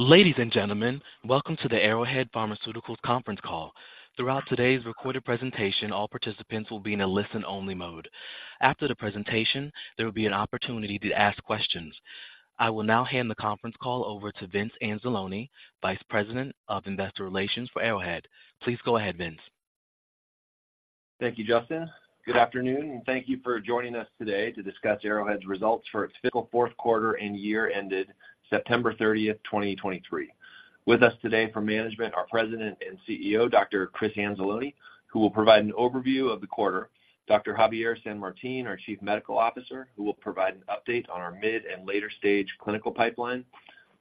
Ladies and gentlemen, welcome to the Arrowhead Pharmaceuticals conference call. Throughout today's recorded presentation, all participants will be in a listen-only mode. After the presentation, there will be an opportunity to ask questions. I will now hand the conference call over to Vince Anzalone, Vice President of Investor Relations for Arrowhead. Please go ahead, Vince. Thank you, Justin. Good afternoon, and thank you for joining us today to discuss Arrowhead's results for its fiscal fourth quarter and year ended September 30, 2023. With us today from management are President and CEO, Dr. Chris Anzalone, who will provide an overview of the quarter, Dr. Javier San Martin, our Chief Medical Officer, who will provide an update on our mid and later-stage clinical pipeline,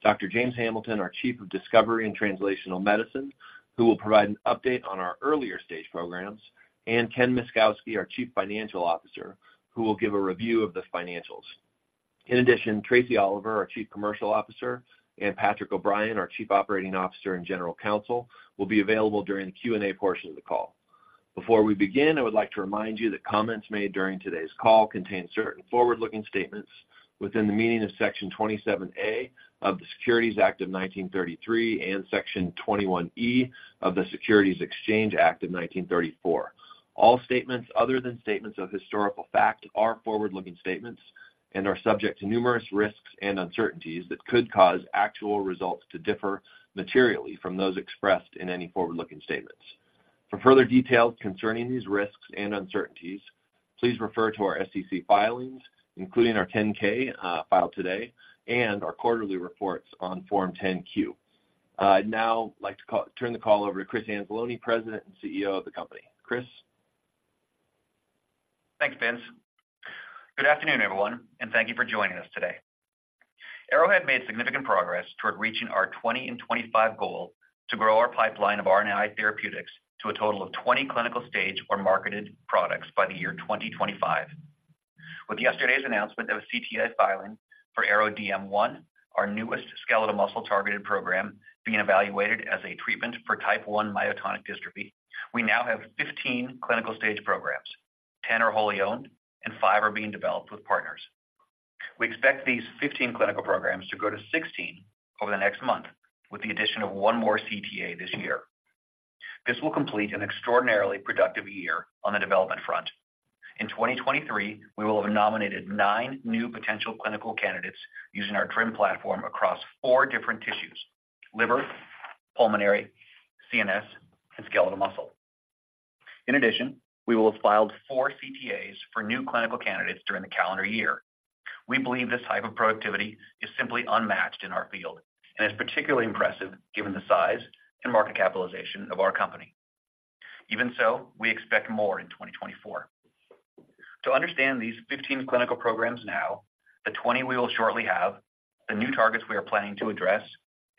Dr. James Hamilton, our Chief of Discovery and Translational Medicine, who will provide an update on our earlier-stage programs, and Ken Myszkowski, our Chief Financial Officer, who will give a review of the financials. In addition, Tracie Oliver, our Chief Commercial Officer, and Patrick O'Brien, our Chief Operating Officer and General Counsel, will be available during the Q&A portion of the call. Before we begin, I would like to remind you that comments made during today's call contain certain forward-looking statements within the meaning of Section 27A of the Securities Act of 1933 and Section 21E of the Securities Exchange Act of 1934. All statements other than statements of historical fact are forward-looking statements and are subject to numerous risks and uncertainties that could cause actual results to differ materially from those expressed in any forward-looking statements. For further details concerning these risks and uncertainties, please refer to our SEC filings, including our 10-K filed today and our quarterly reports on Form 10-Q. I'd now like to turn the call over to Chris Anzalone, President and CEO of the company. Chris? Thanks, Vince. Good afternoon, everyone, and thank you for joining us today. Arrowhead made significant progress toward reaching our 20 in 25 goal to grow our pipeline of RNAi therapeutics to a total of 20 clinical stage or marketed products by the year 2025. With yesterday's announcement of a CTA filing for ARO-DM1, our newest skeletal muscle-targeted program being evaluated as a treatment for Type I myotonic dystrophy, we now have 15 clinical stage programs. Ten are wholly owned, and five are being developed with partners. We expect these 15 clinical programs to go to 16 over the next month, with the addition of one more CTA this year. This will complete an extraordinarily productive year on the development front. In 2023, we will have nominated nine new potential clinical candidates using our TRiM platform across four different tissues: liver, pulmonary, CNS, and skeletal muscle. In addition, we will have filed four CTAs for new clinical candidates during the calendar year. We believe this type of productivity is simply unmatched in our field and is particularly impressive given the size and market capitalization of our company. Even so, we expect more in 2024. To understand these 15 clinical programs now, the 20 we will shortly have, the new targets we are planning to address,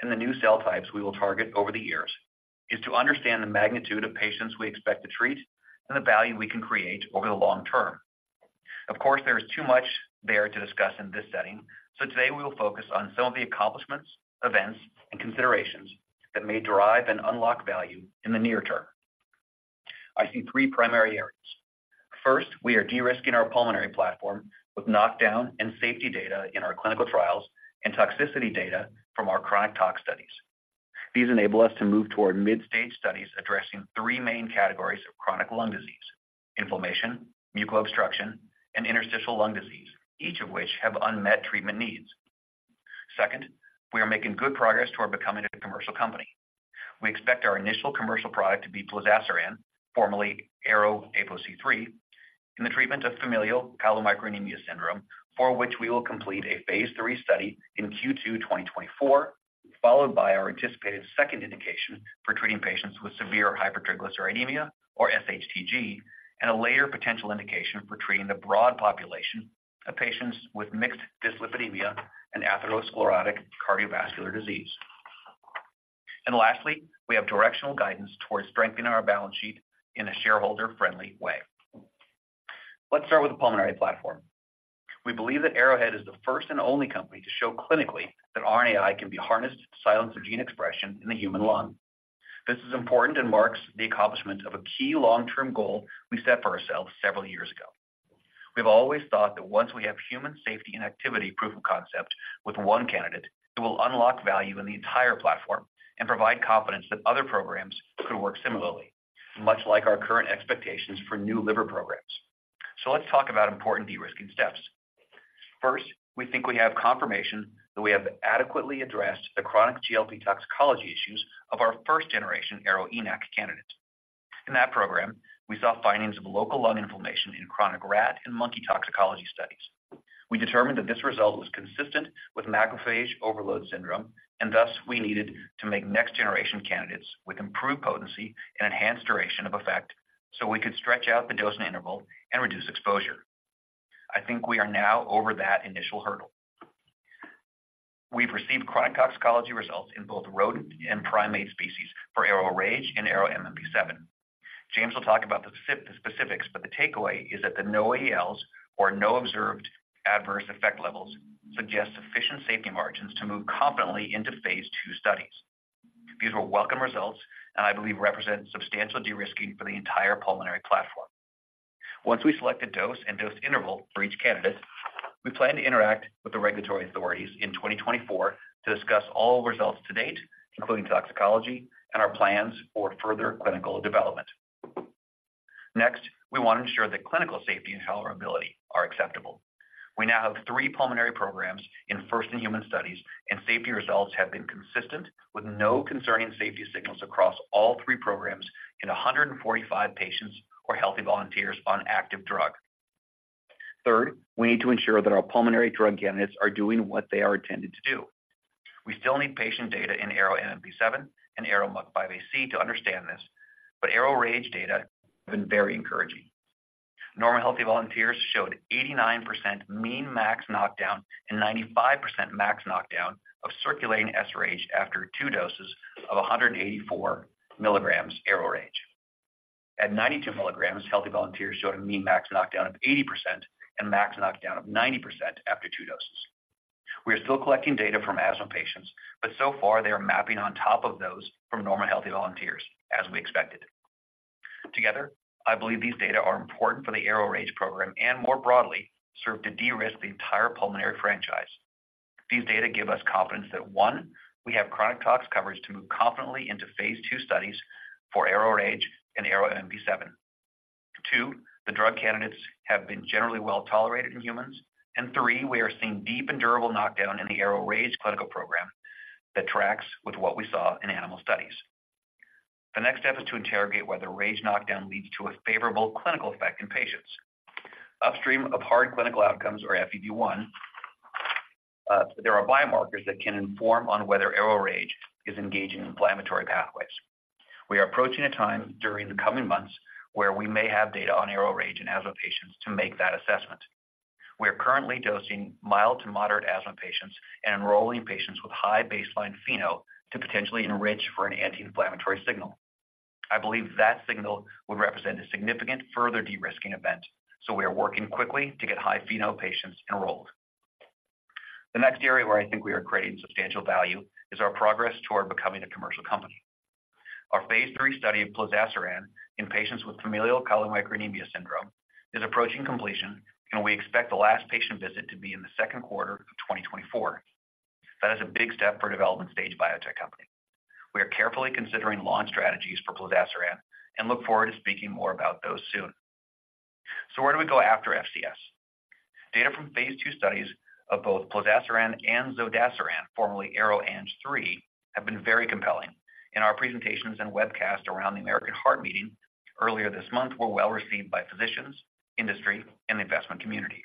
and the new cell types we will target over the years, is to understand the magnitude of patients we expect to treat and the value we can create over the long term. Of course, there is too much there to discuss in this setting, so today we will focus on some of the accomplishments, events, and considerations that may drive and unlock value in the near term. I see three primary areas. First, we are de-risking our pulmonary platform with knockdown and safety data in our clinical trials and toxicity data from our chronic tox studies. These enable us to move toward mid-stage studies addressing three main categories of chronic lung disease: inflammation, mucus obstruction, and interstitial lung disease, each of which have unmet treatment needs. Second, we are making good progress toward becoming a commercial company. We expect our initial commercial product to be Plozasiran, formerly ARO-APOC3, in the treatment of familial chylomicronemia syndrome, for which we will complete a phase III study in Q2 2024, followed by our anticipated second indication for treating patients with severe hypertriglyceridemia, or sHTG, and a later potential indication for treating the broad population of patients with mixed dyslipidemia and atherosclerotic cardiovascular disease. And lastly, we have directional guidance towards strengthening our balance sheet in a shareholder-friendly way. Let's start with the pulmonary platform. We believe that Arrowhead is the first and only company to show clinically that RNAi can be harnessed to silence the gene expression in the human lung. This is important and marks the accomplishment of a key long-term goal we set for ourselves several years ago. We've always thought that once we have human safety and activity proof of concept with one candidate, it will unlock value in the entire platform and provide confidence that other programs could work similarly, much like our current expectations for new liver programs. So let's talk about important de-risking steps. First, we think we have confirmation that we have adequately addressed the chronic GLP toxicology issues of our first-generation ARO-ENaC candidate. In that program, we saw findings of local lung inflammation in chronic rat and monkey toxicology studies. We determined that this result was consistent with macrophage overload syndrome, and thus, we needed to make next-generation candidates with improved potency and enhanced duration of effect, so we could stretch out the dosing interval and reduce exposure. I think we are now over that initial hurdle. We've received chronic toxicology results in both rodent and primate species for ARO-RAGE and ARO-MMP7. James will talk about the specifics, but the takeaway is that the NOAELs, or no observed adverse effect levels, suggest sufficient safety margins to move confidently into phase II studies. These were welcome results, and I believe represent substantial de-risking for the entire pulmonary platform. Once we select a dose and dose interval for each candidate, we plan to interact with the regulatory authorities in 2024 to discuss all results to date, including toxicology and our plans for further clinical development. Next, we want to ensure that clinical safety and tolerability are acceptable. We now have three pulmonary programs in first-in-human studies, and safety results have been consistent, with no concerning safety signals across all three programs in 145 patients or healthy volunteers on active drug. Third, we need to ensure that our pulmonary drug candidates are doing what they are intended to do. We still need patient data in ARO-MMP7 and ARO-MUC5AC to understand this, but ARO-RAGE data have been very encouraging. Normal, healthy volunteers showed 89% mean max knockdown and 95% max knockdown of circulating sRAGE after two doses of 184 milligrams ARO-RAGE. At 92 milligrams, healthy volunteers showed a mean max knockdown of 80% and max knockdown of 90% after two doses. We are still collecting data from asthma patients, but so far they are mapping on top of those from normal, healthy volunteers, as we expected. Together, I believe these data are important for the ARO-RAGE program and more broadly, serve to de-risk the entire pulmonary franchise. These data give us confidence that, 1, we have chronic tox coverage to move confidently into phase II studies for ARO-RAGE and ARO-MMP7. 2, the drug candidates have been generally well-tolerated in humans. And 3, we are seeing deep and durable knockdown in the ARO-RAGE clinical program that tracks with what we saw in animal studies. The next step is to interrogate whether RAGE knockdown leads to a favorable clinical effect in patients. Upstream of hard clinical outcomes or FEV1, there are biomarkers that can inform on whether ARO-RAGE is engaging inflammatory pathways. We are approaching a time during the coming months where we may have data on ARO-RAGE in asthma patients to make that assessment. We are currently dosing mild to moderate asthma patients and enrolling patients with high baseline FeNO to potentially enrich for an anti-inflammatory signal. I believe that signal would represent a significant further de-risking event, so we are working quickly to get high FeNO patients enrolled. The next area where I think we are creating substantial value is our progress toward becoming a commercial company. Our phase III study of plozasiran in patients with familial chylomicronemia syndrome is approaching completion, and we expect the last patient visit to be in the second quarter of 2024. That is a big step for a development-stage biotech company. We are carefully considering launch strategies for plozasiran and look forward to speaking more about those soon. So where do we go after FCS? Data from phase II studies of both Plozasiran and Zodasiran, formerly ARO-ANG3, have been very compelling, and our presentations and webcast around the American Heart Meeting earlier this month were well-received by physicians, industry, and the investment community.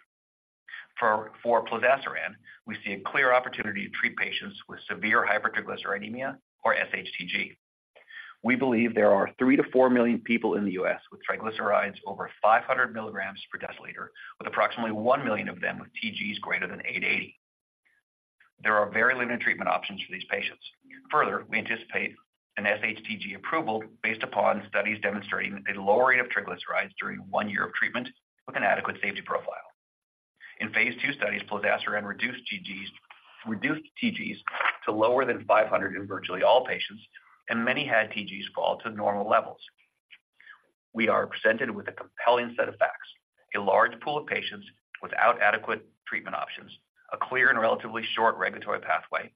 For plozasiran, we see a clear opportunity to treat patients with severe hypertriglyceridemia or sHTG. We believe there are 3-4 million people in the U.S. with triglycerides over 500 milligrams per deciliter, with approximately 1 million of them with TGs greater than 880. There are very limited treatment options for these patients. Further, we anticipate an sHTG approval based upon studies demonstrating a lower rate of triglycerides during oneone year of treatment with an adequate safety profile. In phase II studies, plozasiran reduced TGs, reduced TGs to lower than 500 in virtually all patients, and many had TGs fall to normal levels. We are presented with a compelling set of facts, a large pool of patients without adequate treatment options, a clear and relatively short regulatory pathway,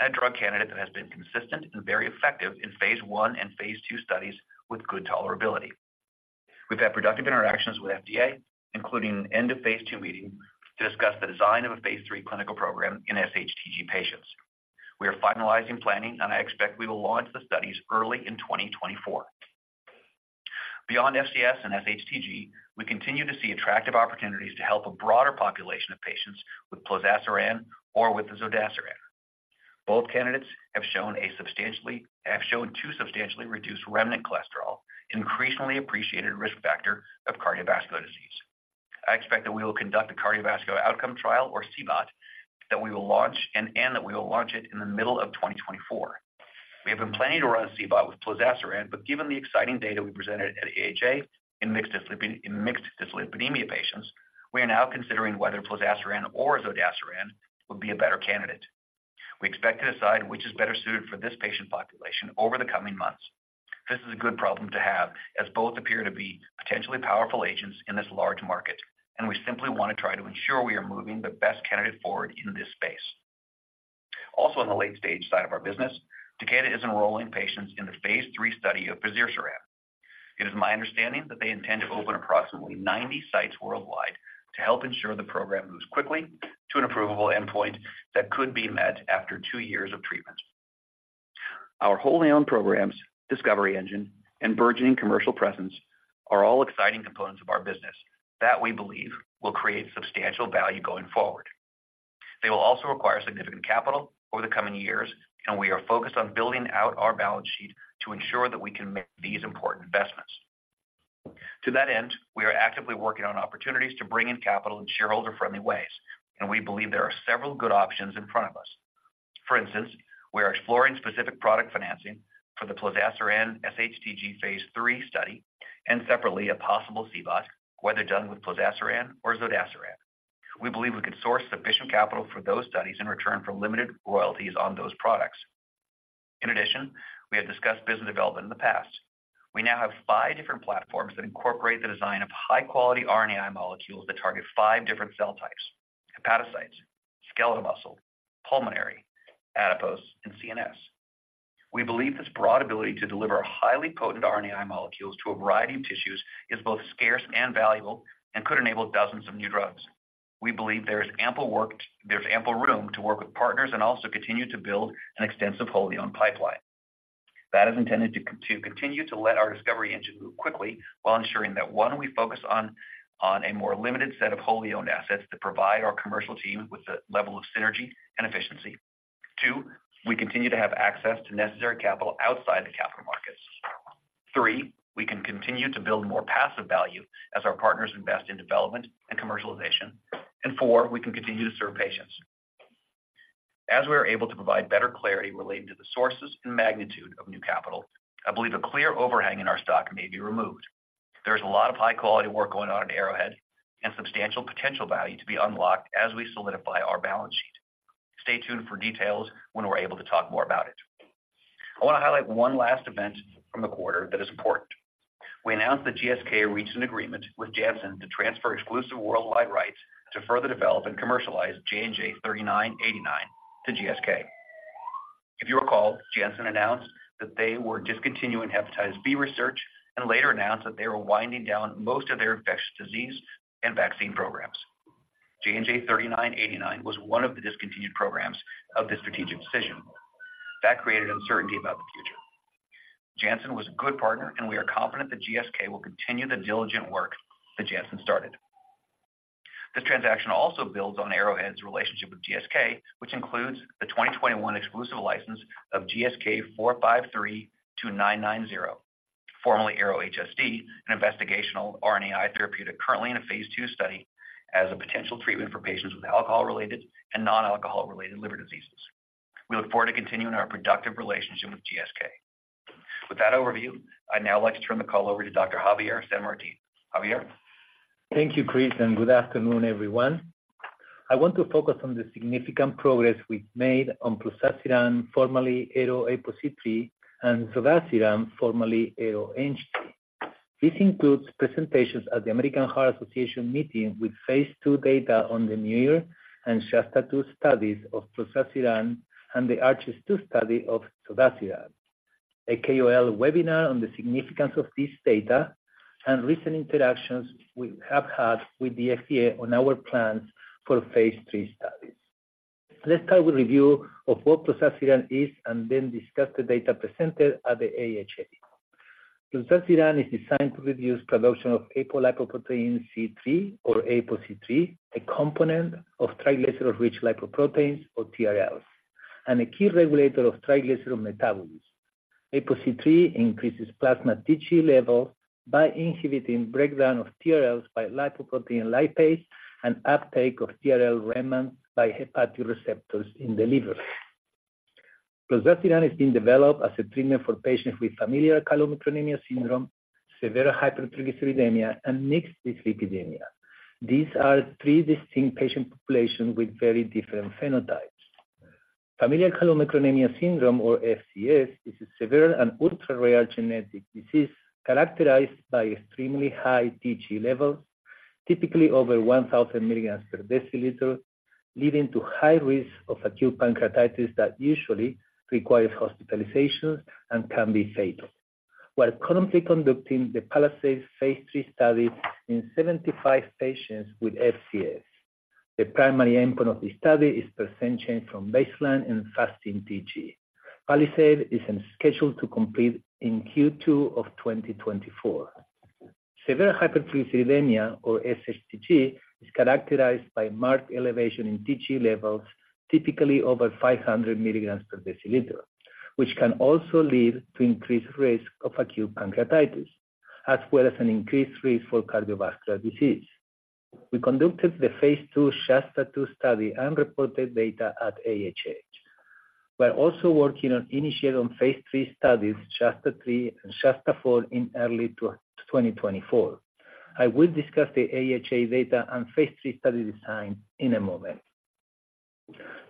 and a drug candidate that has been consistent and very effective in phase I and phase II studies with good tolerability. We've had productive interactions with FDA, including an end-of-phase II meeting, to discuss the design of a phase III clinical program in sHTG patients. We are finalizing planning, and I expect we will launch the studies early in 2024. Beyond FCS and sHTG, we continue to see attractive opportunities to help a broader population of patients with plozasiran or with the zodasiran. Both candidates have shown to substantially reduce remnant cholesterol, an increasingly appreciated risk factor of cardiovascular disease. I expect that we will conduct a cardiovascular outcome trial, or CVOT, that we will launch and that we will launch it in the middle of 2024. We have been planning to run CVOT with plozasiran, but given the exciting data we presented at AHA in mixed dyslipidemia patients, we are now considering whether plozasiran or zodasiran would be a better candidate. We expect to decide which is better suited for this patient population over the coming months. This is a good problem to have, as both appear to be potentially powerful agents in this large market, and we simply want to try to ensure we are moving the best candidate forward in this space. Also, on the late-stage side of our business, Takeda is enrolling patients in the phase III study of fazirsiran. It is my understanding that they intend to open approximately 90 sites worldwide to help ensure the program moves quickly to an approvable endpoint that could be met after two years of treatment. Our wholly owned programs, Discovery Engine and burgeoning commercial presence, are all exciting components of our business that we believe will create substantial value going forward. They will also require significant capital over the coming years, and we are focused on building out our balance sheet to ensure that we can make these important investments. To that end, we are actively working on opportunities to bring in capital in shareholder-friendly ways, and we believe there are several good options in front of us. For instance, we are exploring specific product financing for the plozasiran sHTG phase III study and separately, a possible CVOT, whether done with plozasiran or zodasiran. We believe we could source sufficient capital for those studies in return for limited royalties on those products. In addition, we have discussed business development in the past. We now have five different platforms that incorporate the design of high-quality RNAi molecules that target five different cell types: Hepatocytes, Skeletal muscle, Pulmonary, Adipose, and CNS. We believe this broad ability to deliver highly potent RNAi molecules to a variety of tissues is both scarce and valuable and could enable dozens of new drugs. We believe there is ample work, there's ample room to work with partners and also continue to build an extensive wholly-owned pipeline. That is intended to continue to let our discovery engine move quickly while ensuring that, one, we focus on a more limited set of wholly-owned assets that provide our commercial team with the level of synergy and efficiency. Two, we continue to have access to necessary capital outside the capital markets. Three, we can continue to build more passive value as our partners invest in development and commercialization. And four, we can continue to serve patients. As we are able to provide better clarity relating to the sources and magnitude of new capital, I believe a clear overhang in our stock may be removed. There is a lot of high-quality work going on at Arrowhead and substantial potential value to be unlocked as we solidify our balance sheet. Stay tuned for details when we're able to talk more about it. I want to highlight one last event from the quarter that is important. We announced that GSK reached an agreement with Janssen to transfer exclusive worldwide rights to further develop and commercialize JNJ-3989 to GSK. If you recall, Janssen announced that they were discontinuing hepatitis B research and later announced that they were winding down most of their infectious disease and vaccine programs. JNJ-3989 was one of the discontinued programs of this strategic decision. That created uncertainty about the future. Janssen was a good partner, and we are confident that GSK will continue the diligent work that Janssen started. This transaction also builds on Arrowhead's relationship with GSK, which includes the 2021 exclusive license of GSK4532990, formerly ARO-HSD, an investigational RNAi therapeutic currently in a phase II study as a potential treatment for patients with alcohol-related and non-alcohol-related liver diseases. We look forward to continuing our productive relationship with GSK. With that overview, I'd now like to turn the call over to Dr. Javier San Martin. Javier? Thank you, Chris, and good afternoon, everyone. I want to focus on the significant progress we've made on plozasiran, formerly ARO-APOC3, and zodasiran, formerly ARO-ANG3. This includes presentations at the American Heart Association meeting with phase II data on the MUIR and SHASTA-2 studies of plozasiran and the ARCHES-2 study of zodasiran. A KOL webinar on the significance of this data and recent interactions we have had with the FDA on our plans for phase III studies. Let's start with a review of what plozasiran is and then discuss the data presented at the AHA. Plozasiran is designed to reduce production of apolipoprotein C-III, or ApoC3, a component of triglyceride-rich lipoproteins, or TRLs, and a key regulator of triglyceride metabolism. ApoC3 increases plasma TG level by inhibiting breakdown of TRLs by lipoprotein lipase and uptake of TRL remnants by hepatic receptors in the liver. Plozasiran is being developed as a treatment for patients with familial chylomicronemia syndrome, severe hypertriglyceridemia, and mixed dyslipidemia. These are three distinct patient populations with very different phenotypes. Familial chylomicronemia syndrome, or FCS, is a severe and ultra-rare genetic disease characterized by extremely high TG levels, typically over 1,000 milligrams per deciliter, leading to high risk of acute pancreatitis that usually requires hospitalizations and can be fatal. We're currently conducting the PALISADE phase III study in 75 patients with FCS. The primary endpoint of the study is % change from baseline in fasting TG. PALISADE is scheduled to complete in Q2 of 2024. Severe hypertriglyceridemia, or sHTG, is characterized by marked elevation in TG levels, typically over 500 milligrams per deciliter, which can also lead to increased risk of acute pancreatitis, as well as an increased risk for cardiovascular disease. We conducted the phase II SHASTA-2 study and reported data at AHA. We're also working on initiating phase III studies, Shasta-3 and Shasta-4, in early 2024. I will discuss the AHA data and phase III study design in a moment.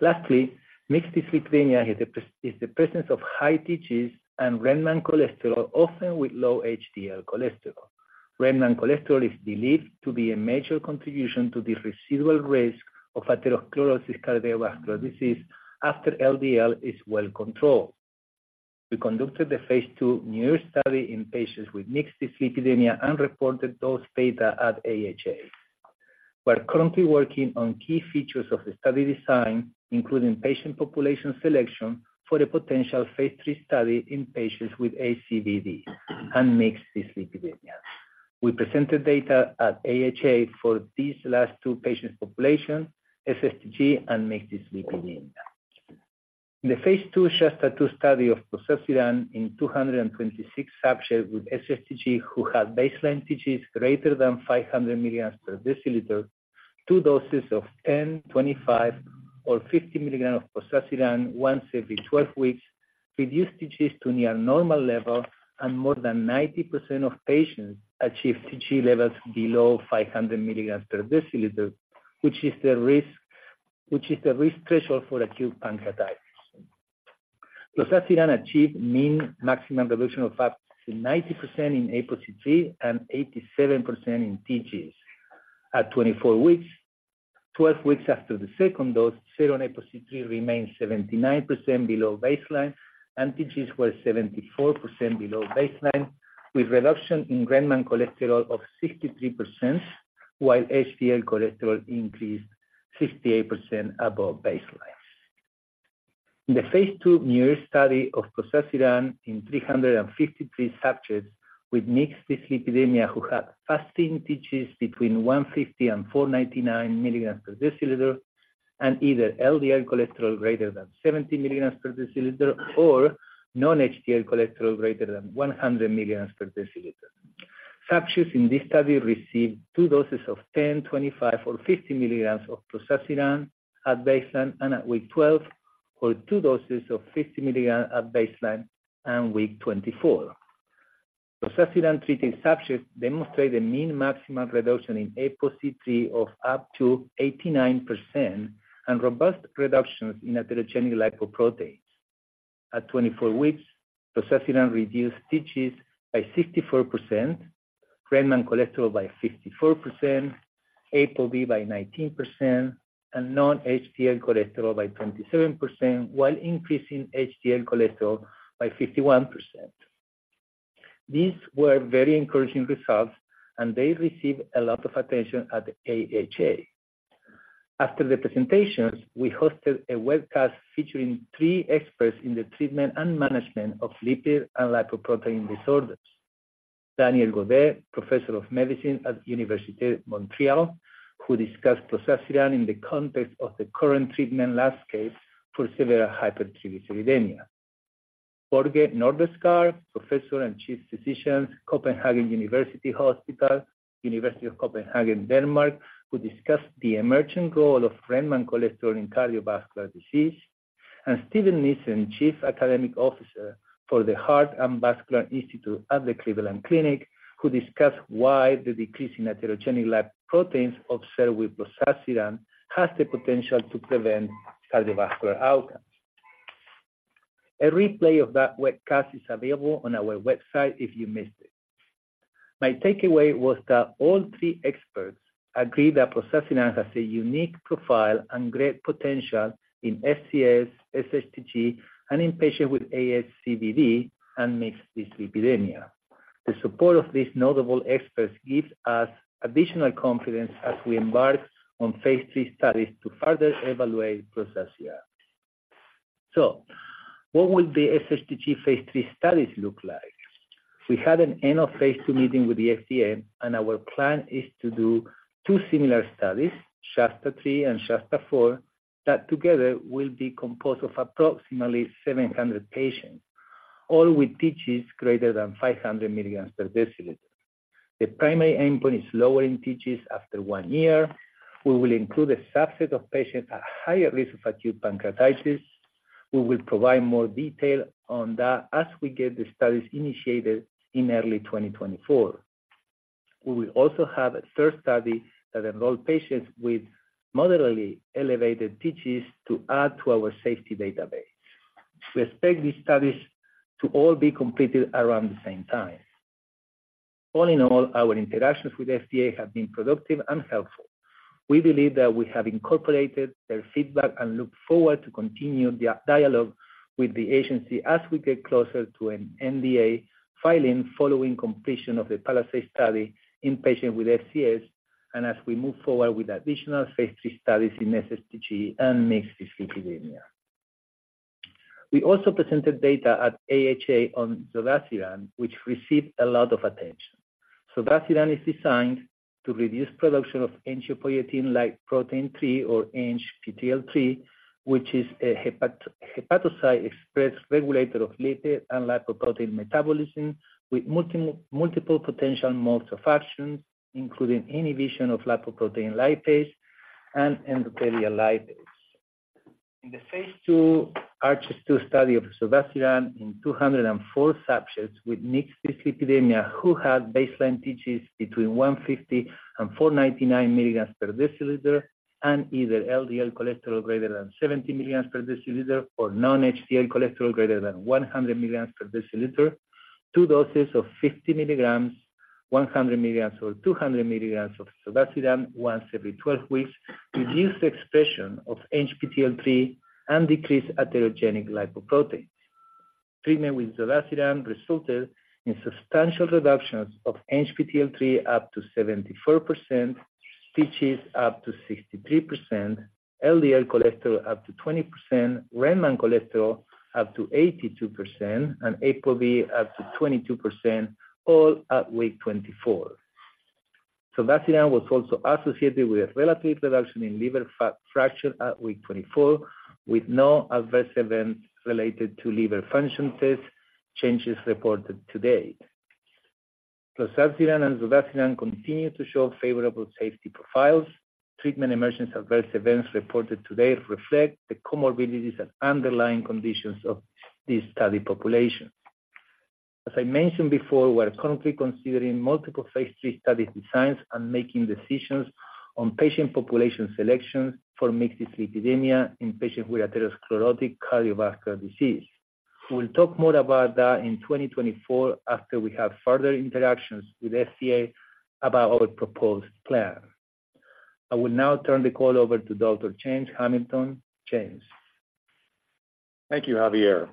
Lastly, mixed dyslipidemia is the presence of high TGs and remnant cholesterol, often with low HDL cholesterol. Remnant cholesterol is believed to be a major contribution to the residual risk of atherosclerotic cardiovascular disease after LDL is well controlled. We conducted the phase II MUIR study in patients with mixed dyslipidemia and reported those data at AHA. We're currently working on key features of the study design, including patient population selection, for a potential phase III study in patients with ASCVD and mixed dyslipidemia. We presented data at AHA for these last two patient populations, sHTG and mixed dyslipidemia. In the phase II SHASTA-2 study of plozasiran in 226 subjects with sHTG who had baseline TGs greater than 500 mg/dL, two doses of 10, 25, or 50 mg of plozasiran once every 12 weeks reduced TGs to near normal level, and more than 90% of patients achieved TG levels below 500 mg/dL, which is the risk threshold for acute pancreatitis. Plozasiran achieved mean maximum reduction of up to 90% in ApoC3 and 87% in TGs. At 24 weeks, 12 weeks after the second dose, serum ApoC3 remained 79% below baseline, and TGs were 74% below baseline, with reduction in remnant cholesterol of 63%, while HDL cholesterol increased 68% above baseline. In the phase II MUIR study of zodasiran in 353 subjects with mixed dyslipidemia, who had fasting TGs between 150-499 mg/dL, and either LDL cholesterol greater than 70 mg/dL or non-HDL cholesterol greater than 100 mg/dL. Subjects in this study received two doses of 10, 25, or 50 mg of zodasiran at baseline and at week 12, or two doses of 50 mg at baseline and week 24. Zodasiran-treated subjects demonstrated a mean maximum reduction in ApoC3 of up to 89% and robust reductions in atherogenic lipoproteins. At 24 weeks, zodasiran reduced TGs by 64%, remnant cholesterol by 54%, ApoB by 19%, and non-HDL cholesterol by 27%, while increasing HDL cholesterol by 51%. These were very encouraging results, and they received a lot of attention at the AHA. After the presentations, we hosted a webcast featuring three experts in the treatment and management of lipid and lipoprotein disorders. Daniel Gaudet, Professor of Medicine at Université de Montréal, who discussed zodasiran in the context of the current treatment landscape for severe hypertriglyceridemia. Børge Nordestgaard, Professor and Chief Physician, Copenhagen University Hospital, University of Copenhagen, Denmark, who discussed the emerging role of remnant cholesterol in cardiovascular disease. Steven Nissen, Chief Academic Officer for the Heart and Vascular Institute at the Cleveland Clinic, who discussed why the decrease in atherogenic lipoproteins observed with zodasiran has the potential to prevent cardiovascular outcomes. A replay of that webcast is available on our website if you missed it. My takeaway was that all three experts agreed that zodasiran has a unique profile and great potential in FCS, sHTG, and in patients with ASCVD and mixed dyslipidemia. The support of these notable experts gives us additional confidence as we embark on phase III studies to further evaluate zodasiran. So what will the sHTG phase III studies look like? We had an end of phase II meeting with the FDA, and our plan is to do two similar studies, SHASTA-3 and SHASTA-4, that together will be composed of approximately 700 patients, all with TGs greater than 500 milligrams per deciliter. The primary endpoint is lowering TGs after one year. We will include a subset of patients at higher risk of acute pancreatitis. We will provide more detail on that as we get the studies initiated in early 2024. We will also have a third study that involves patients with moderately elevated TGs to add to our safety database. We expect these studies to all be completed around the same time. All in all, our interactions with FDA have been productive and helpful. We believe that we have incorporated their feedback and look forward to continue the dialog with the agency as we get closer to an NDA filing, following completion of the PALISADE study in patients with FCS and as we move forward with additional phase III studies in sHTG and mixed dyslipidemia. We also presented data at AHA on zodasiran, which received a lot of attention. Zodasiran is designed to reduce production of angiopoietin-like protein 3 or ANGPTL3, which is a hepatocyte-expressed regulator of lipid and lipoprotein metabolism, with multiple, multiple potential modes of action, including inhibition of lipoprotein lipase and endothelial lipase. In the phase II ARCHES-2 study of zodasiran in 204 subjects with mixed dyslipidemia who had baseline TGs between 150 and 499 mg/dL, and either LDL cholesterol greater than 70 mg/dL or non-HDL cholesterol greater than 100 mg/dL. Two doses of 50 mg, 100 mg, or 200 mg of zodasiran once every 12 weeks, reduced the expression of ANGPTL3 and decreased atherogenic lipoproteins. Treatment with zodasiran resulted in substantial reductions of ANGPTL3 up to 74%, TGs up to 63%, LDL cholesterol up to 20%, remnant cholesterol up to 82%, and ApoB up to 22%, all at week 24. Zodasiran was also associated with a relative reduction in liver fat fraction at week 24, with no adverse events related to liver function test changes reported to date.... Plozasiran and Zodasiran continue to show favorable safety profiles. Treatment-emergent adverse events reported today reflect the comorbidities and underlying conditions of this study population. As I mentioned before, we're currently considering multiple phase III study designs and making decisions on patient population selection for mixed dyslipidemia in patients with atherosclerotic cardiovascular disease. We'll talk more about that in 2024 after we have further interactions with FDA about our proposed plan. I will now turn the call over to Dr. James Hamilton. James? Thank you, Javier.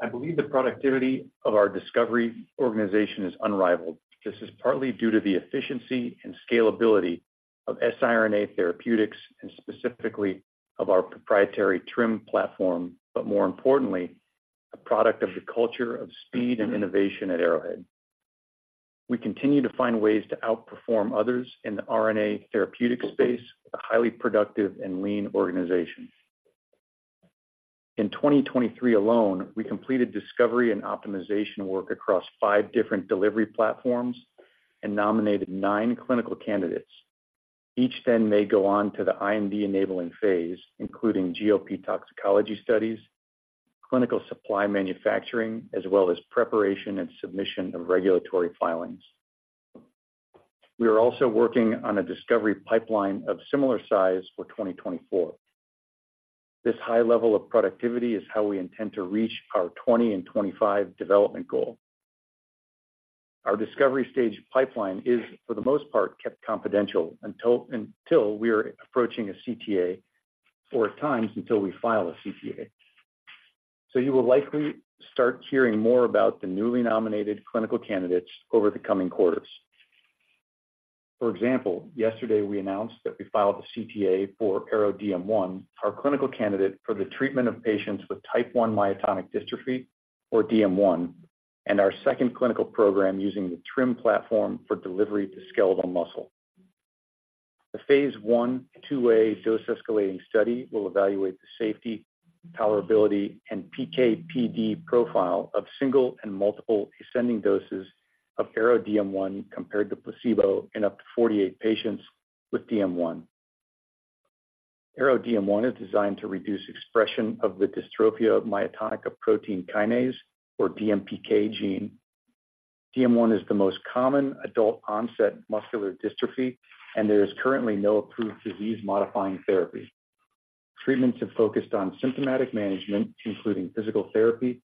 I believe the productivity of our discovery organization is unrivaled. This is partly due to the efficiency and scalability of siRNA therapeutics, and specifically of our proprietary TRiM platform, but more importantly, a product of the culture of speed and innovation at Arrowhead. We continue to find ways to outperform others in the RNA therapeutic space with a highly productive and lean organization. In 2023 alone, we completed discovery and optimization work across 5 different delivery platforms and nominated 9 clinical candidates. Each then may go on to the IND-enabling phase, including GLP toxicology studies, clinical supply manufacturing, as well as preparation and submission of regulatory filings. We are also working on a discovery pipeline of similar size for 2024. This high level of productivity is how we intend to reach our 2025 development goal. Our discovery stage pipeline is, for the most part, kept confidential until we are approaching a CTA, or at times, until we file a CTA. So you will likely start hearing more about the newly nominated clinical candidates over the coming quarters. For example, yesterday we announced that we filed a CTA for ARO-DM1, our clinical candidate for the treatment of patients with type I myotonic dystrophy, or DM1, and our second clinical program using the TRiM platform for delivery to skeletal muscle. The phase I, two-way dose-escalating study will evaluate the safety, tolerability, and PK/PD profile of single and multiple ascending doses of ARO-DM1 compared to placebo in up to 48 patients with DM1. ARO-DM1 is designed to reduce expression of the dystrophia myotonica protein kinase, or DMPK gene. DM1 is the most common adult-onset muscular dystrophy, and there is currently no approved disease-modifying therapy. Treatments have focused on symptomatic management, including physical therapy,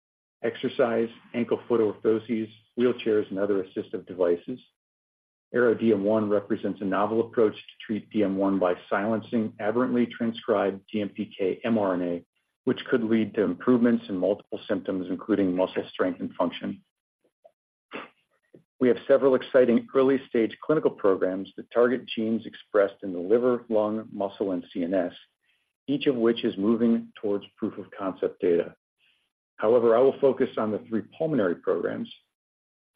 exercise, ankle-foot orthoses, wheelchairs, and other assistive devices. ARO-DM1 represents a novel approach to treat DM1 by silencing aberrantly transcribed DMPK mRNA, which could lead to improvements in multiple symptoms, including muscle strength and function. We have several exciting early-stage clinical programs that target genes expressed in the liver, lung, muscle, and CNS, each of which is moving towards proof-of-concept data. However, I will focus on the three pulmonary programs.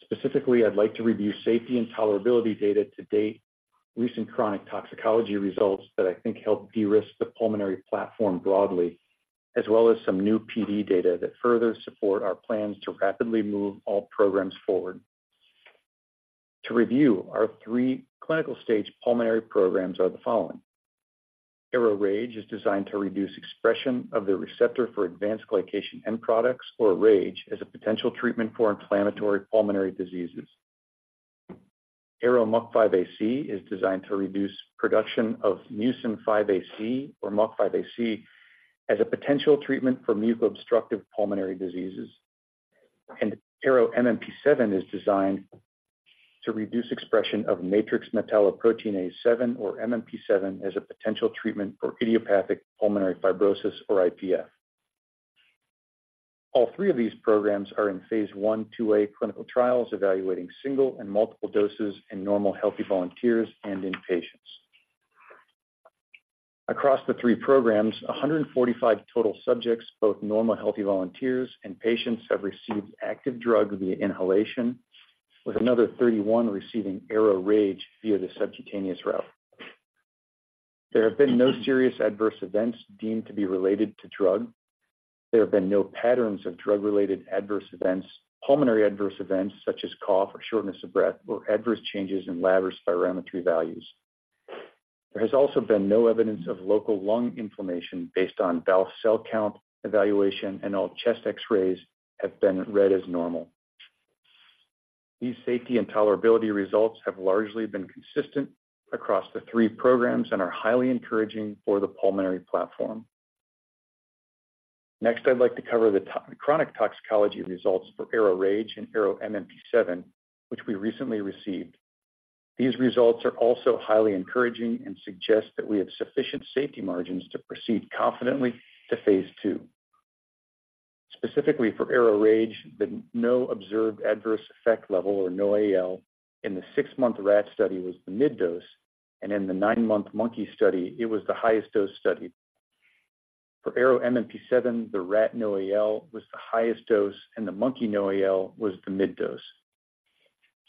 Specifically, I'd like to review safety and tolerability data to date, recent chronic toxicology results that I think help de-risk the pulmonary platform broadly, as well as some new PD data that further support our plans to rapidly move all programs forward. To review, our three clinical-stage pulmonary programs are the following: ARO-RAGE is designed to reduce expression of the receptor for advanced glycation end products, or RAGE, as a potential treatment for inflammatory pulmonary diseases. ARO-MUC5AC is designed to reduce production of mucin 5AC, or MUC5AC, as a potential treatment for mucobstructive pulmonary diseases. And ARO-MMP7 is designed to reduce expression of matrix metalloproteinase 7, or MMP7, as a potential treatment for idiopathic pulmonary fibrosis, or IPF. All three of these programs are in phase I, II-A clinical trials, evaluating single and multiple doses in normal healthy volunteers and in patients. Across the three programs, 145 total subjects, both normal healthy volunteers and patients, have received active drug via inhalation, with another 31 receiving ARO-RAGE via the subcutaneous route. There have been no serious adverse events deemed to be related to drug. There have been no patterns of drug-related adverse events, pulmonary adverse events, such as cough or shortness of breath, or adverse changes in lab or spirometry values. There has also been no evidence of local lung inflammation based on BAL cell count evaluation, and all chest X-rays have been read as normal. These safety and tolerability results have largely been consistent across the three programs and are highly encouraging for the pulmonary platform. Next, I'd like to cover the chronic toxicology results for ARO-RAGE and ARO-MMP7, which we recently received. These results are also highly encouraging and suggest that we have sufficient safety margins to proceed confidently to phase II. Specifically for ARO-RAGE, the no observed adverse effect level, or NOAEL, in the six-month rat study was the mid-dose, and in the nine-month monkey study, it was the highest dose studied. For ARO-MMP7, the rat NOAEL was the highest dose, and the monkey NOAEL was the mid-dose.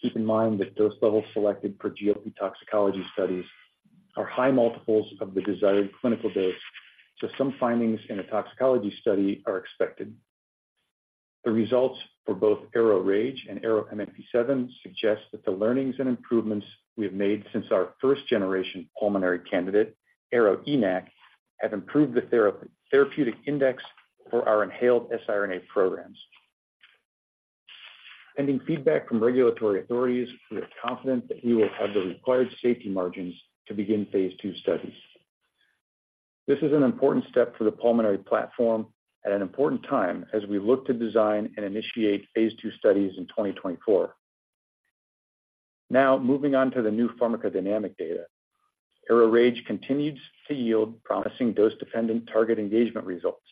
Keep in mind that dose levels selected for GLP toxicology studies are high multiples of the desired clinical dose. So some findings in a toxicology study are expected. The results for both ARO-RAGE and ARO-MMP7 suggest that the learnings and improvements we have made since our first-generation pulmonary candidate, ARO-ENaC, have improved the therapeutic index for our inhaled siRNA programs. Pending feedback from regulatory authorities, we are confident that we will have the required safety margins to begin phase two studies. This is an important step for the pulmonary platform at an important time as we look to design and initiate phase two studies in 2024. Now, moving on to the new pharmacodynamic data. ARO-RAGE continues to yield promising dose-dependent target engagement results.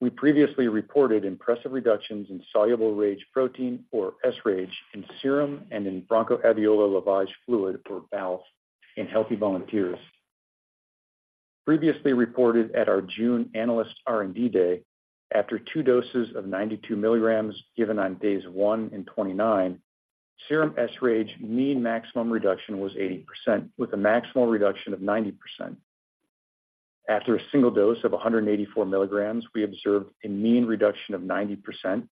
We previously reported impressive reductions in soluble RAGE protein, or sRAGE, in serum and in bronchoalveolar lavage fluid, or BALF, in healthy volunteers. Previously reported at our June Analyst R&D Day, after two doses of 92mg given on days one and 29, serum sRAGE mean maximum reduction was 80%, with a maximal reduction of 90%. After a single dose of 184 milligrams, we observed a mean reduction of 90%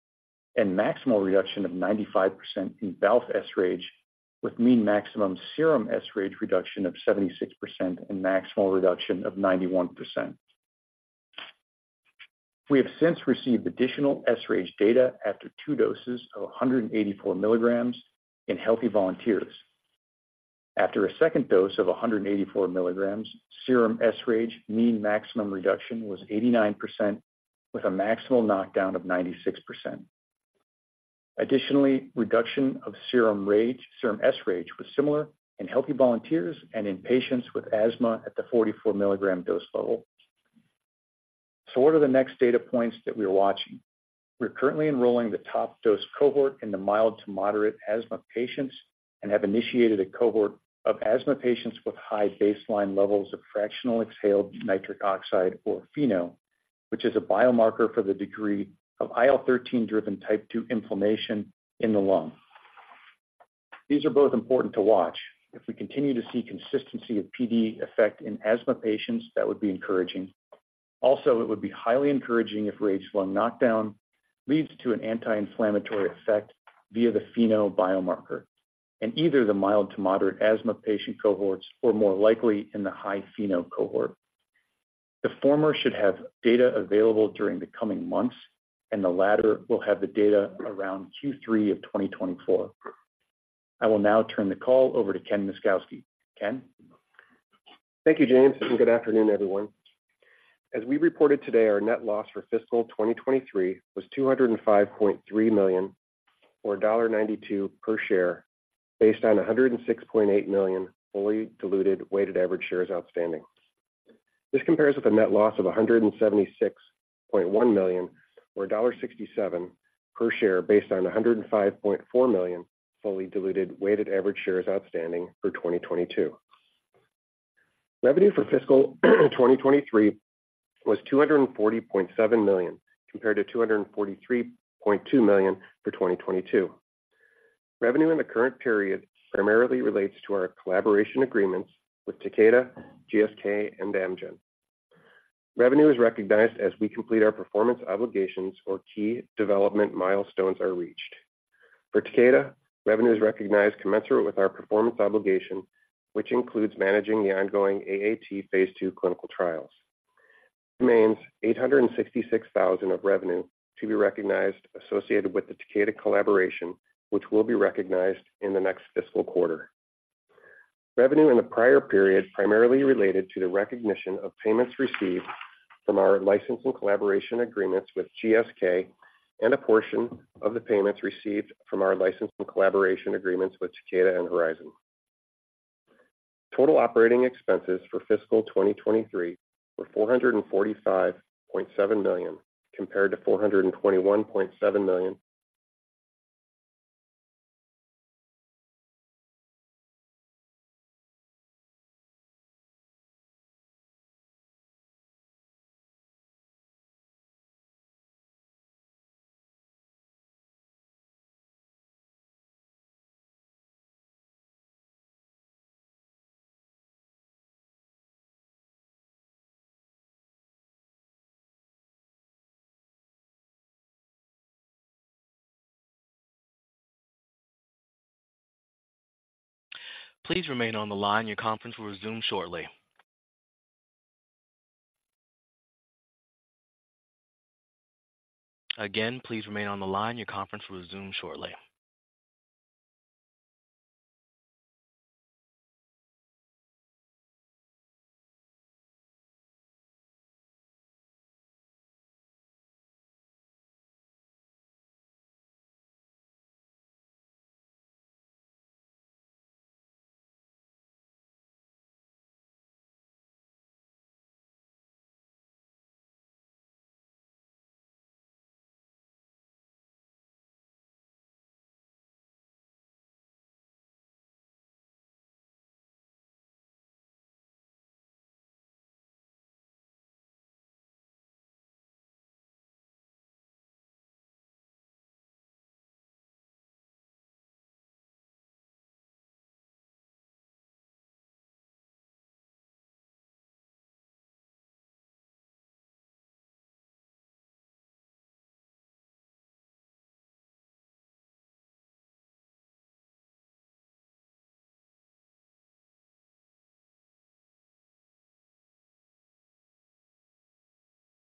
and maximal reduction of 95% in BALF sRAGE, with mean maximum serum sRAGE reduction of 76% and maximal reduction of 91%. We have since received additional sRAGE data after two doses of 184 milligrams in healthy volunteers. After a second dose of 184 milligrams, serum sRAGE mean maximum reduction was 89%, with a maximal knockdown of 96%. Additionally, reduction of serum RAGE, serum sRAGE, was similar in healthy volunteers and in patients with asthma at the 44 milligram dose level. So what are the next data points that we're watching? We're currently enrolling the top dose cohort in the mild to moderate asthma patients and have initiated a cohort of asthma patients with high baseline levels of fractional exhaled nitric oxide, or FeNO, which is a biomarker for the degree of IL-13-driven type 2 inflammation in the lung. These are both important to watch. If we continue to see consistency of PD effect in asthma patients, that would be encouraging. Also, it would be highly encouraging if RAGE lung knockdown leads to an anti-inflammatory effect via the FeNO biomarker in either the mild to moderate asthma patient cohorts, or more likely, in the high FeNO cohort. The former should have data available during the coming months, and the latter will have the data around Q3 of 2024. I will now turn the call over to Ken Myszkowski. Ken? Thank you, James, and good afternoon, everyone. As we reported today, our net loss for fiscal 2023 was $205.3 million, or $1.92 per share, based on 106.8 million fully diluted weighted average shares outstanding. This compares with a net loss of $176.1 million, or $1.67 per share, based on 105.4 million fully diluted weighted average shares outstanding for 2022. Revenue for fiscal 2023 was $240.7 million, compared to $243.2 million for 2022. Revenue in the current period primarily relates to our collaboration agreements with Takeda, GSK, and Amgen. Revenue is recognized as we complete our performance obligations or key development milestones are reached. For Takeda, revenue is recognized commensurate with our performance obligation, which includes managing the ongoing AAT phase II clinical trials. This means $866,000 of revenue to be recognized associated with the Takeda collaboration, which will be recognized in the next fiscal quarter. Revenue in the prior period primarily related to the recognition of payments received from our license and collaboration agreements with GSK and a portion of the payments received from our license and collaboration agreements with Takeda and Horizon. Total operating expenses for fiscal 2023 were $445.7 million, compared to $421.7 million. Please remain on the line. Your conference will resume shortly. Again, please remain on the line. Your conference will resume shortly.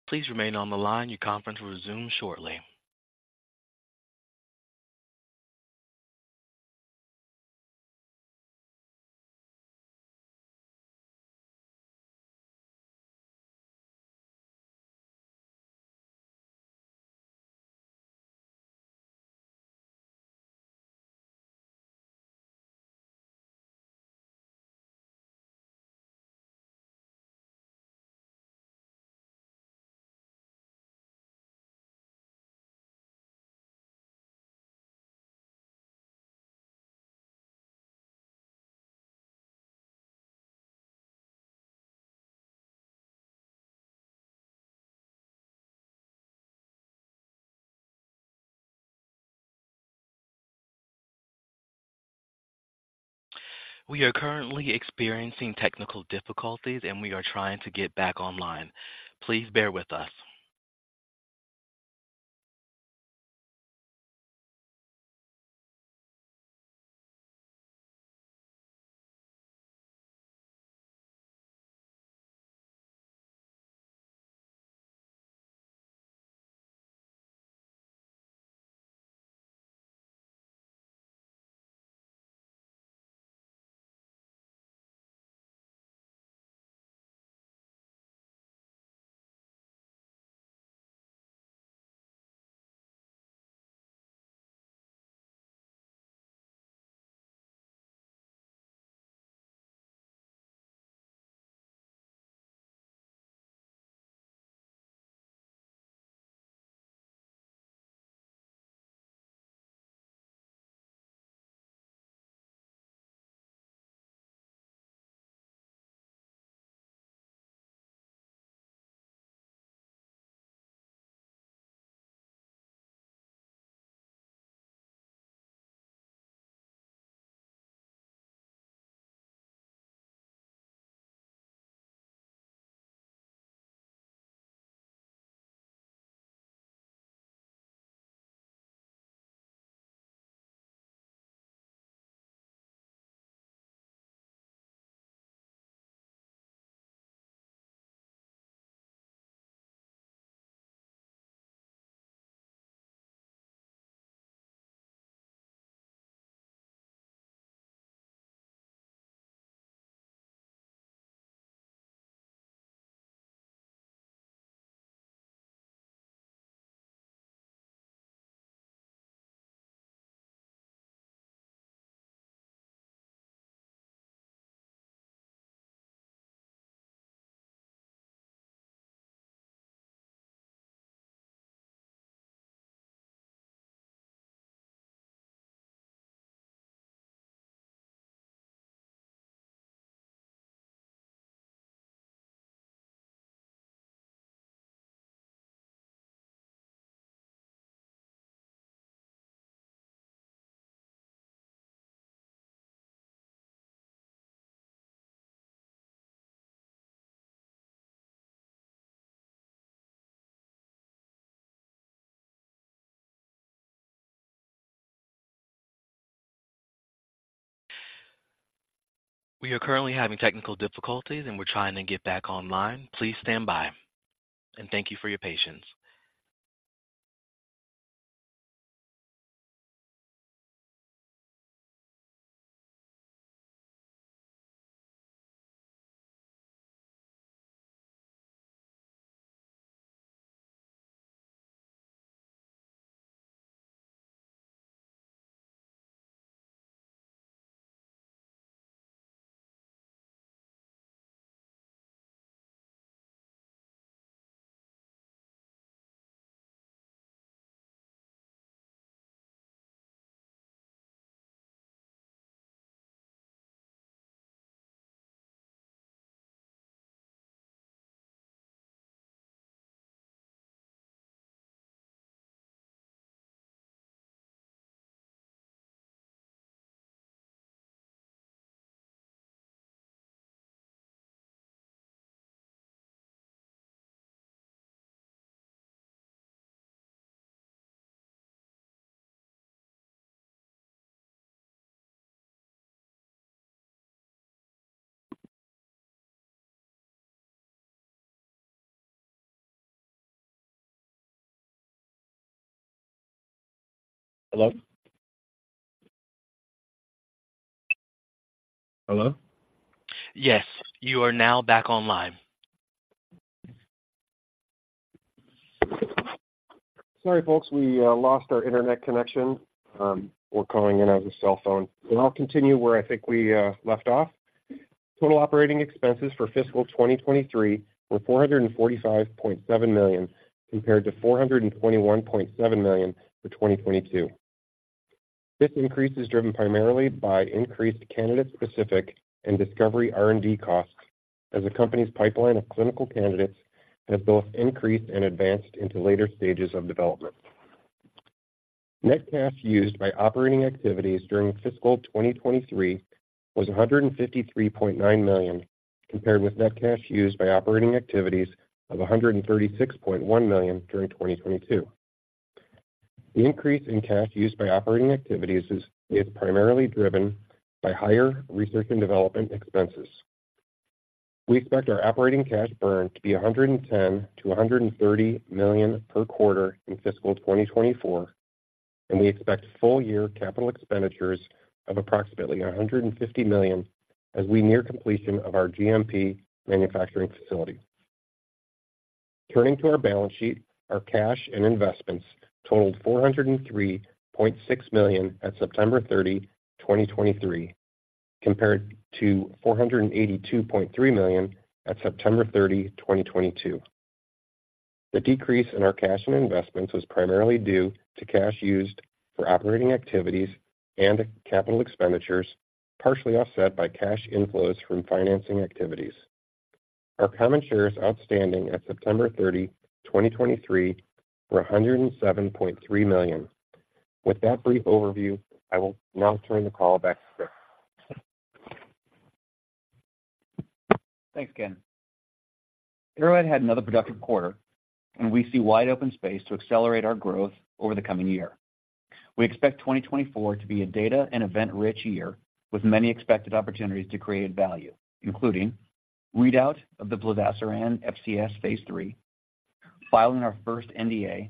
Please remain on the line. Your conference will resume shortly. We are currently experiencing technical difficulties, and we are trying to get back online. Please bear with us. Hello? Hello. Yes, you are now back online. Sorry, folks. We lost our internet connection. We're calling in as a cell phone, and I'll continue where I think we left off. Total operating expenses for fiscal 2023 were $445.7 million, compared to $421.7 million for 2022. This increase is driven primarily by increased candidate-specific and discovery R&D costs, as the company's pipeline of clinical candidates has both increased and advanced into later stages of development. Net cash used by operating activities during fiscal 2023 was $153.9 million, compared with net cash used by operating activities of $136.1 million during 2022. The increase in cash used by operating activities is primarily driven by higher research and development expenses. We expect our operating cash burn to be $110-$130 million per quarter in fiscal 2024, and we expect full-year capital expenditures of approximately $150 million as we near completion of our GMP manufacturing facility. Turning to our balance sheet, our cash and investments totaled $403.6 million at September 30, 2023, compared to $482.3 million at September 30, 2022. The decrease in our cash and investments was primarily due to cash used for operating activities and capital expenditures, partially offset by cash inflows from financing activities. Our common shares outstanding at September 30, 2023, were 107.3 million. With that brief overview, I will now turn the call back to Chris. Thanks, Ken. Arrowhead had another productive quarter, and we see wide-open space to accelerate our growth over the coming year. We expect 2024 to be a data and event-rich year, with many expected opportunities to create value, including readout of the plozasiran FCS phase III, filing our first NDA,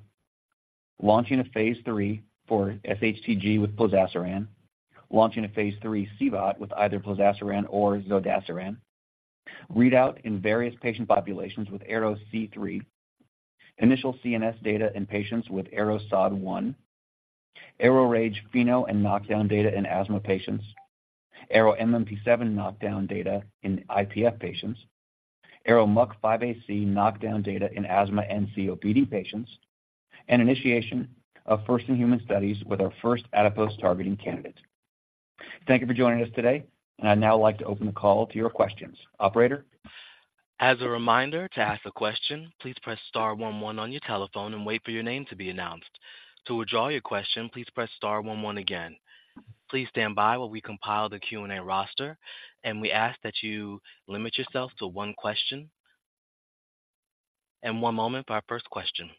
launching a phase III for sHTG with plozasiran, launching a phase III CVOT with either plozasiran or zodasiran, readout in various patient populations with ARO-C3, initial CNS data in patients with ARO-SOD1, ARO-RAGE FeNO and knockdown data in asthma patients, ARO-MMP7 knockdown data in IPF patients, ARO-MUC5AC knockdown data in asthma and COPD patients, and initiation of first-in-human studies with our first adipose-targeting candidate. Thank you for joining us today, and I'd now like to open the call to your questions. Operator? As a reminder, to ask a question, please press star one one on your telephone and wait for your name to be announced. To withdraw your question, please press star one one again. Please stand by while we compile the Q&A roster, and we ask that you limit yourself to one question. One moment for our first question.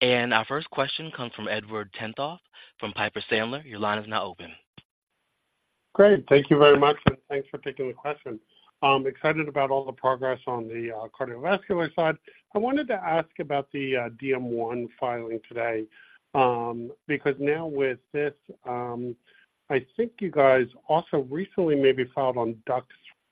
Our first question comes from Edward Tenthoff from Piper Sandler. Your line is now open. Great. Thank you very much, and thanks for taking the question. I'm excited about all the progress on the cardiovascular side. I wanted to ask about the DM1 filing today, because now with this, I think you guys also recently maybe filed on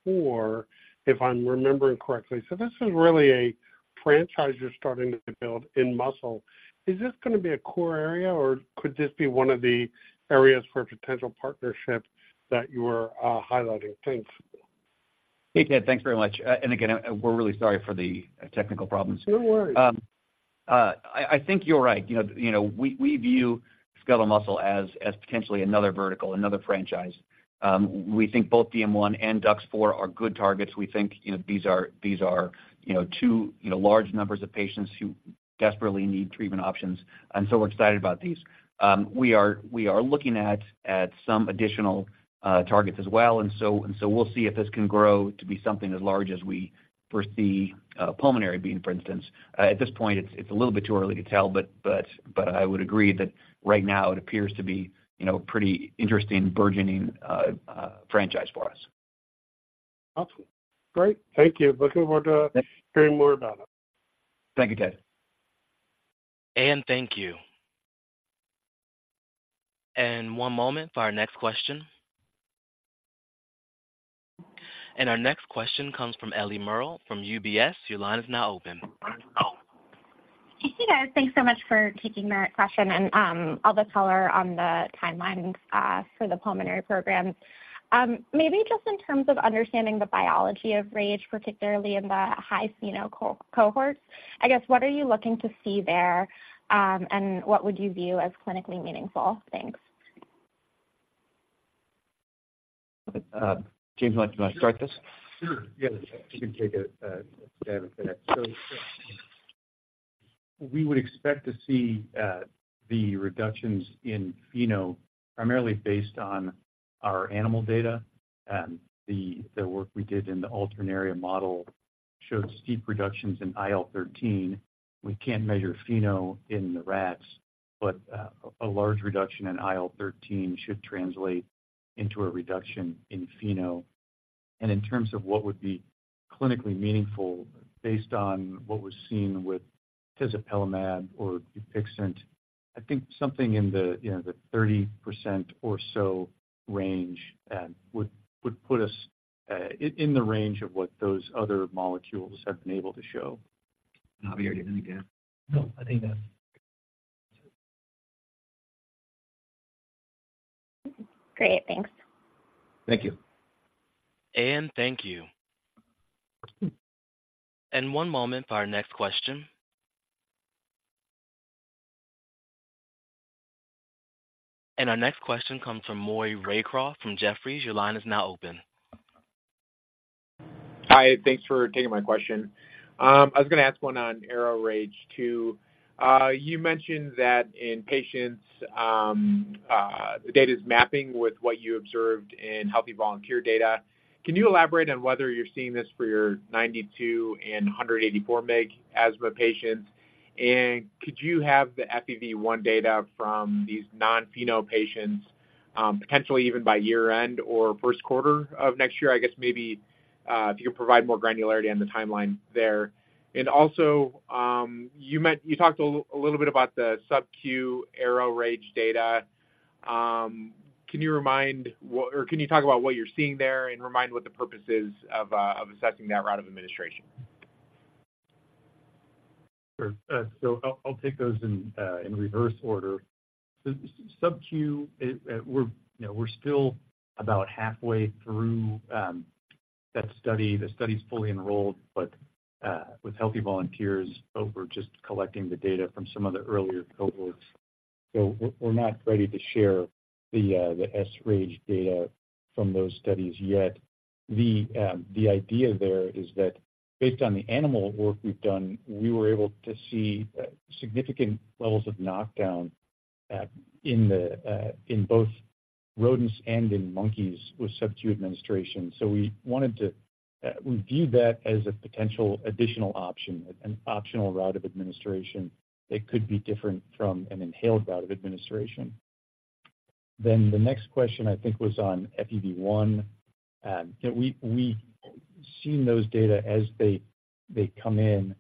DUX4, if I'm remembering correctly. So this is really a franchise you're starting to build in muscle. Is this going to be a core area, or could this be one of the areas for potential partnership that you're highlighting? Thanks. Hey, Ted. Thanks very much. Again, we're really sorry for the technical problems. No worries. I think you're right. You know, we view skeletal muscle as potentially another vertical, another franchise. We think both DM1 and DUX4 are good targets. We think, you know, these are you know, two, you know, large numbers of patients who desperately need treatment options, and so we're excited about these. We are looking at some additional targets as well, and so we'll see if this can grow to be something as large as we foresee pulmonary being, for instance. At this point, it's a little bit too early to tell, but I would agree that right now it appears to be, you know, a pretty interesting burgeoning franchise for us. Awesome. Great. Thank you. Looking forward to- Thanks. Hearing more about it. Thank you, Ted. Thank you. One moment for our next question. Our next question comes from Ellie Merle from UBS. Your line is now open. Hey, guys, thanks so much for taking my question and, all the color on the timelines, for the pulmonary program. Maybe just in terms of understanding the biology of RAGE, particularly in the high FeNO cohort, I guess, what are you looking to see there, and what would you view as clinically meaningful? Thanks. James, you want to start this? Sure. Yeah, I can take a stab at that. So we would expect to see the reductions in FeNO primarily based on our animal data. The work we did in the Alternaria model showed steep reductions in IL-13. We can't measure FeNO in the rats, but a large reduction in IL-13 should translate into a reduction in FeNO. And in terms of what would be clinically meaningful based on what was seen with tezepelumab or Dupixent, I think something in the, you know, the 30% or so range would put us in the range of what those other molecules have been able to show. Javier, anything to add? No, I think that's. Great. Thanks. Thank you. Thank you. One moment for our next question. Our next question comes from Maury Raycroft from Jefferies. Your line is now open. Hi, thanks for taking my question. I was going to ask one on ARO-RAGE too. You mentioned that in patients, the data is mapping with what you observed in healthy volunteer data. Can you elaborate on whether you're seeing this for your 92- and 184-mg asthma patients? And could you have the FEV1 data from these non-FeNO patients, potentially even by year-end or first quarter of next year? I guess maybe, if you could provide more granularity on the timeline there. And also, you talked a little, a little bit about the subq ARO-RAGE data. Can you remind what, or can you talk about what you're seeing there and remind what the purpose is of assessing that round of administration? Sure. So I'll, I'll take those in reverse order. The subq, we're, you know, we're still about halfway through that study. The study's fully enrolled, but with healthy volunteers, but we're just collecting the data from some of the earlier cohorts. So we're not ready to share the sRAGE data from those studies yet. The idea there is that based on the animal work we've done, we were able to see significant levels of knockdown in both rodents and in monkeys with subq administration. So we wanted to, we view that as a potential additional option, an optional route of administration that could be different from an inhaled route of administration. Then the next question, I think, was on FEV1. You know, we've seen those data as they come in,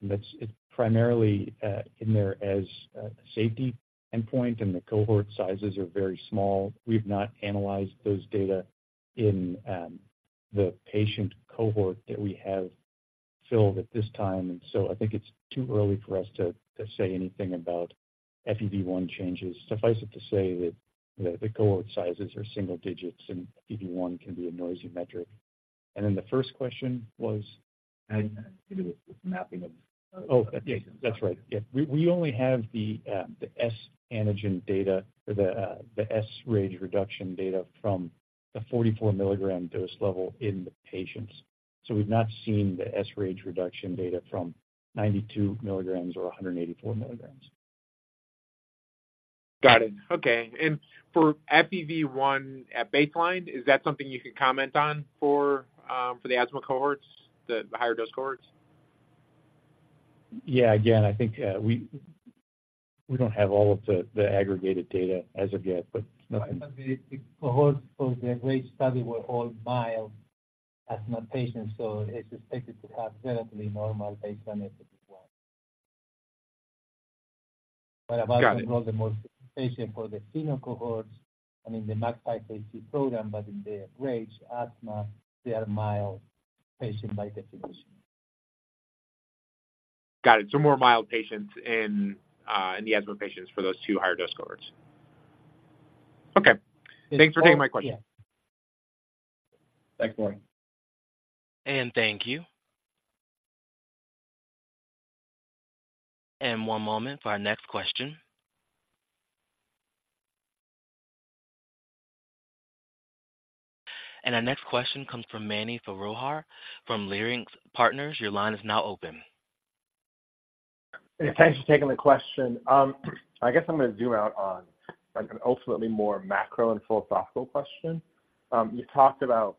and it's primarily in there as a safety endpoint, and the cohort sizes are very small. We've not analyzed those data in the patient cohort that we have filled at this time, and so I think it's too early for us to say anything about FEV1 changes. Suffice it to say that the cohort sizes are single digits, and FEV1 can be a noisy metric. And then the first question was? It was mapping of- Oh, yeah, that's right. Yeah. We only have the sRAGE reduction data from the 44 milligram dose level in the patients. So we've not seen the sRAGE reduction data from 92mg or 184mg Got it. Okay. And for FEV1 at baseline, is that something you can comment on for the asthma cohorts, the higher dose cohorts? Yeah, again, I think we don't have all of the aggregated data as of yet, but- But the cohorts for the RAGE study were all mild asthma patients, so it's expected to have relatively normal baseline FEV1. Got it. But about the most patients for the FeNO cohorts, I mean, the max phase II program, but in the RAGE asthma, they are mild patients by definition. Got it. So more mild patients in, in the asthma patients for those two higher dose cohorts. Okay. Thanks for taking my question. Yeah. Thanks, Maury. Thank you. One moment for our next question. Our next question comes from Mani Foroohar, from Leerink Partners. Your line is now open. Thanks for taking the question. I guess I'm going to zoom out on, like, an ultimately more macro and philosophical question. You talked about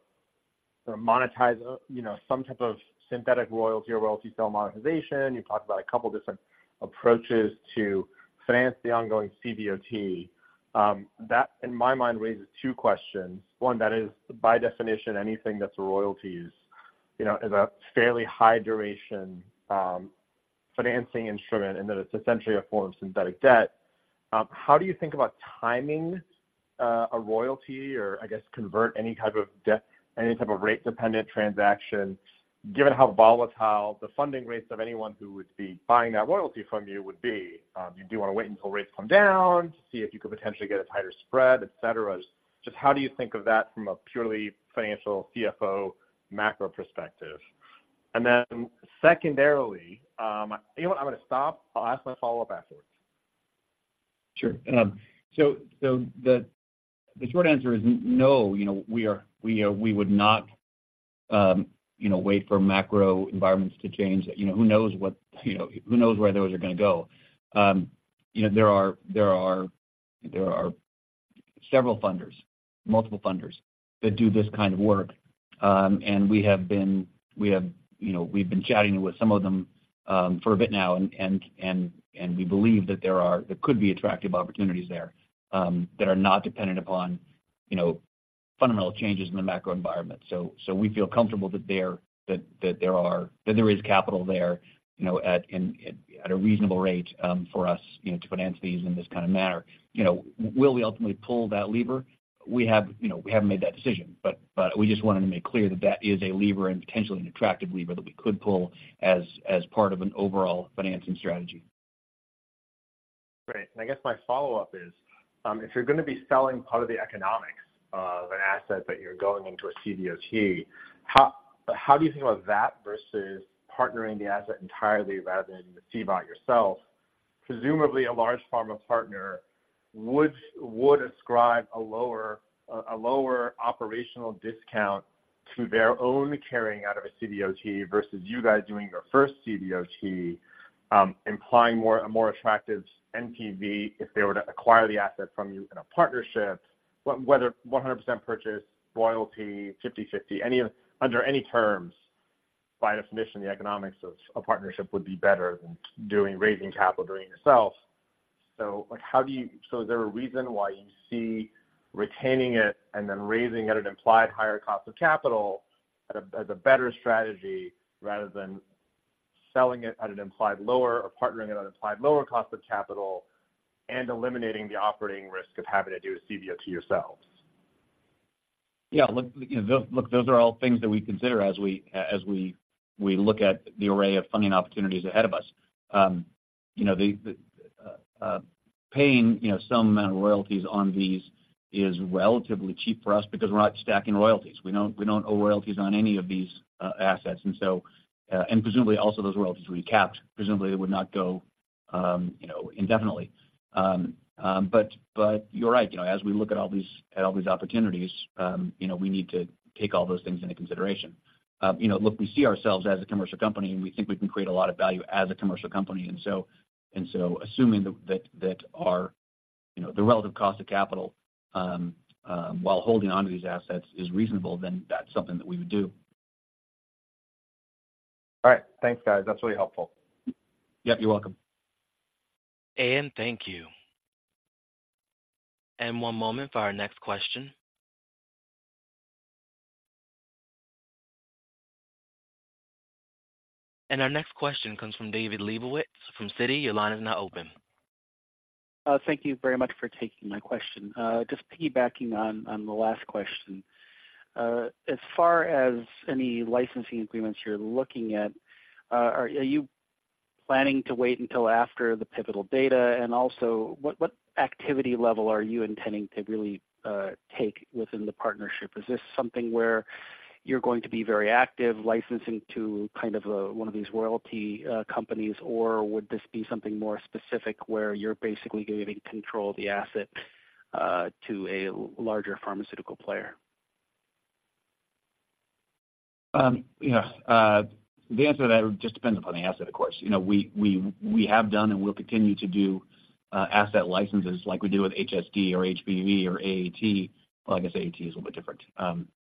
sort of monetizing, you know, some type of synthetic royalty or royalty sale monetization. You talked about a couple different approaches to finance the ongoing CVOT. That, in my mind, raises two questions. One, that is, by definition, anything that's a royalty is, you know, is a fairly high duration financing instrument, and that it's essentially a form of synthetic debt. How do you think about timing a royalty or, I guess, convert any type of debt, any type of rate-dependent transaction, given how volatile the funding rates of anyone who would be buying that royalty from you would be? You do want to wait until rates come down to see if you could potentially get a tighter spread, et cetera. Just how do you think of that from a purely financial CFO macro perspective? And then secondarily, you know what? I'm going to stop. I'll ask my follow-up afterwards. Sure. So the short answer is no. You know, we are—we would not, you know, wait for macro environments to change. You know, who knows what, you know, who knows where those are going to go? You know, there are several funders, multiple funders that do this kind of work. And we have, you know, we've been chatting with some of them for a bit now, and we believe that there are—there could be attractive opportunities there that are not dependent upon, you know, fundamental changes in the macro environment. So we feel comfortable that there is capital there, you know, at a reasonable rate for us, you know, to finance these in this kind of manner. You know, will we ultimately pull that lever? We have, you know, we haven't made that decision, but we just wanted to make clear that that is a lever and potentially an attractive lever that we could pull as part of an overall financing strategy. Great. I guess my follow-up is, if you're going to be selling part of the economics of an asset that you're going into a CVOT, how do you think about that versus partnering the asset entirely rather than the CVOT yourself? Presumably, a large pharma partner would ascribe a lower operational discount to their own carrying out of a CVOT versus you guys doing your first CVOT, implying a more attractive NPV if they were to acquire the asset from you in a partnership, but whether 100% purchase, royalty, 50/50, any under any terms, by definition, the economics of a partnership would be better than doing raising capital doing it yourself. So, like, is there a reason why you see retaining it and then raising at an implied higher cost of capital as a better strategy rather than selling it at an implied lower or partnering at an implied lower cost of capital and eliminating the operating risk of having to do a CVOT yourselves? Yeah, look, you know, look, those are all things that we consider as we look at the array of funding opportunities ahead of us. You know, paying, you know, some amount of royalties on these is relatively cheap for us because we're not stacking royalties. We don't, we don't owe royalties on any of these assets. And so, and presumably also those royalties will be capped. Presumably, they would not go, you know, indefinitely. But, but you're right. You know, as we look at all these, at all these opportunities, you know, we need to take all those things into consideration. You know, look, we see ourselves as a commercial company, and we think we can create a lot of value as a commercial company. And so assuming that our, you know, the relative cost of capital while holding onto these assets is reasonable, then that's something that we would do. All right. Thanks, guys. That's really helpful. Yep, you're welcome. Thank you. One moment for our next question. Our next question comes from David Lebowitz from Citi. Your line is now open. Thank you very much for taking my question. Just piggybacking on the last question. As far as any licensing agreements you're looking at, are you planning to wait until after the pivotal data? And also, what activity level are you intending to really take within the partnership? Is this something where you're going to be very active licensing to kind of one of these royalty companies, or would this be something more specific, where you're basically giving control of the asset to a larger pharmaceutical player? Yeah. The answer to that just depends upon the asset, of course. You know, we, we, we have done and will continue to do, asset licenses like we do with HSD or HBV or AAT. Well, I guess AAT is a little bit different,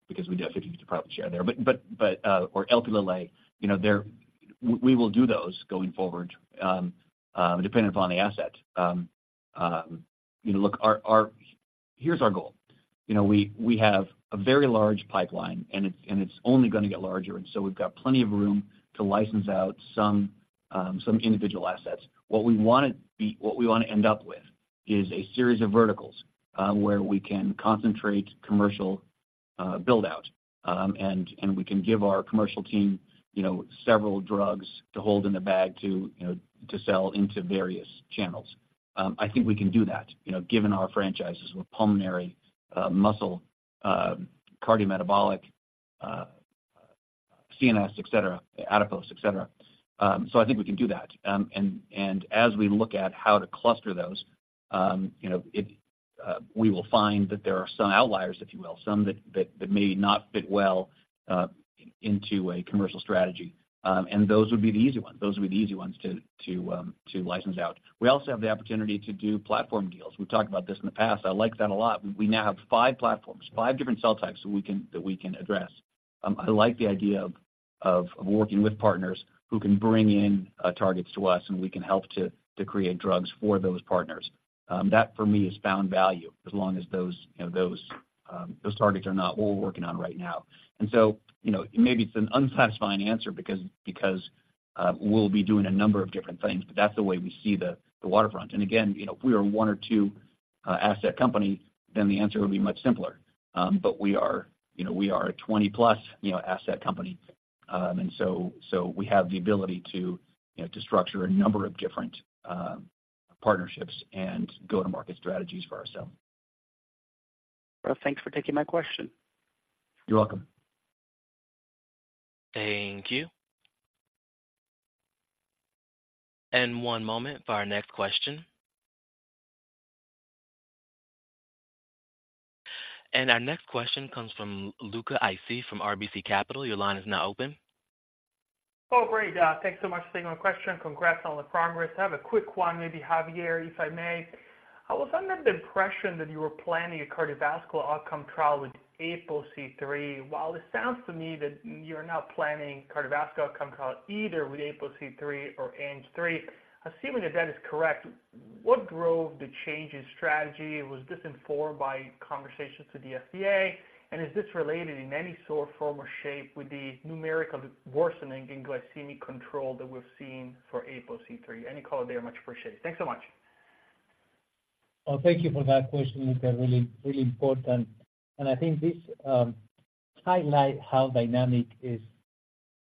because we do have 50/50 profit share there. But, but, but, Or LPA. You know, there, we, we will do those going forward, you know, look, our, our—here's our goal. You know, we, we have a very large pipeline, and it's, and it's only gonna get larger, and so we've got plenty of room to license out some, some individual assets. What we wanna be, what we wanna end up with is a series of verticals, where we can concentrate commercial build out, and, and we can give our commercial team, you know, several drugs to hold in the bag to, you know, to sell into various channels. I think we can do that, you know, given our franchises with pulmonary, muscle, cardiometabolic, CNS, et cetera, adipose, et cetera. So I think we can do that. And, and as we look at how to cluster those, you know, if we will find that there are some outliers, if you will, some that, that, that may not fit well into a commercial strategy. And those would be the easy ones. Those would be the easy ones to, to license out. We also have the opportunity to do platform deals. We've talked about this in the past. I like that a lot. We now have five platforms, five different cell types that we can address. I like the idea of working with partners who can bring in targets to us, and we can help to create drugs for those partners. That for me is found value as long as those, you know, those targets are not what we're working on right now. And so, you know, maybe it's an unsatisfying answer because we'll be doing a number of different things, but that's the way we see the waterfront. And again, you know, if we are a one or two asset company, then the answer would be much simpler. But we are, you know, we are a 20-plus, you know, asset company. And so we have the ability to, you know, to structure a number of different partnerships and go-to-market strategies for ourselves. Well, thanks for taking my question. You're welcome. Thank you. One moment for our next question. Our next question comes from Luca Issi from RBC Capital. Your line is now open. Oh, great, thanks so much for taking my question. Congrats on the progress. I have a quick one, maybe, Javier, if I may. I was under the impression that you were planning a cardiovascular outcome trial with ApoC3. While it sounds to me that you're now planning cardiovascular outcome trial either with ApoC3 or ANG3, assuming that that is correct, what drove the change in strategy? Was this informed by conversations with the FDA? And is this related in any sort, form, or shape with the numerical worsening in glycemic control that we've seen for ApoC3? Any color there much appreciated. Thanks so much. Well, thank you for that question, Luca. Really, really important, and I think this highlight how dynamic is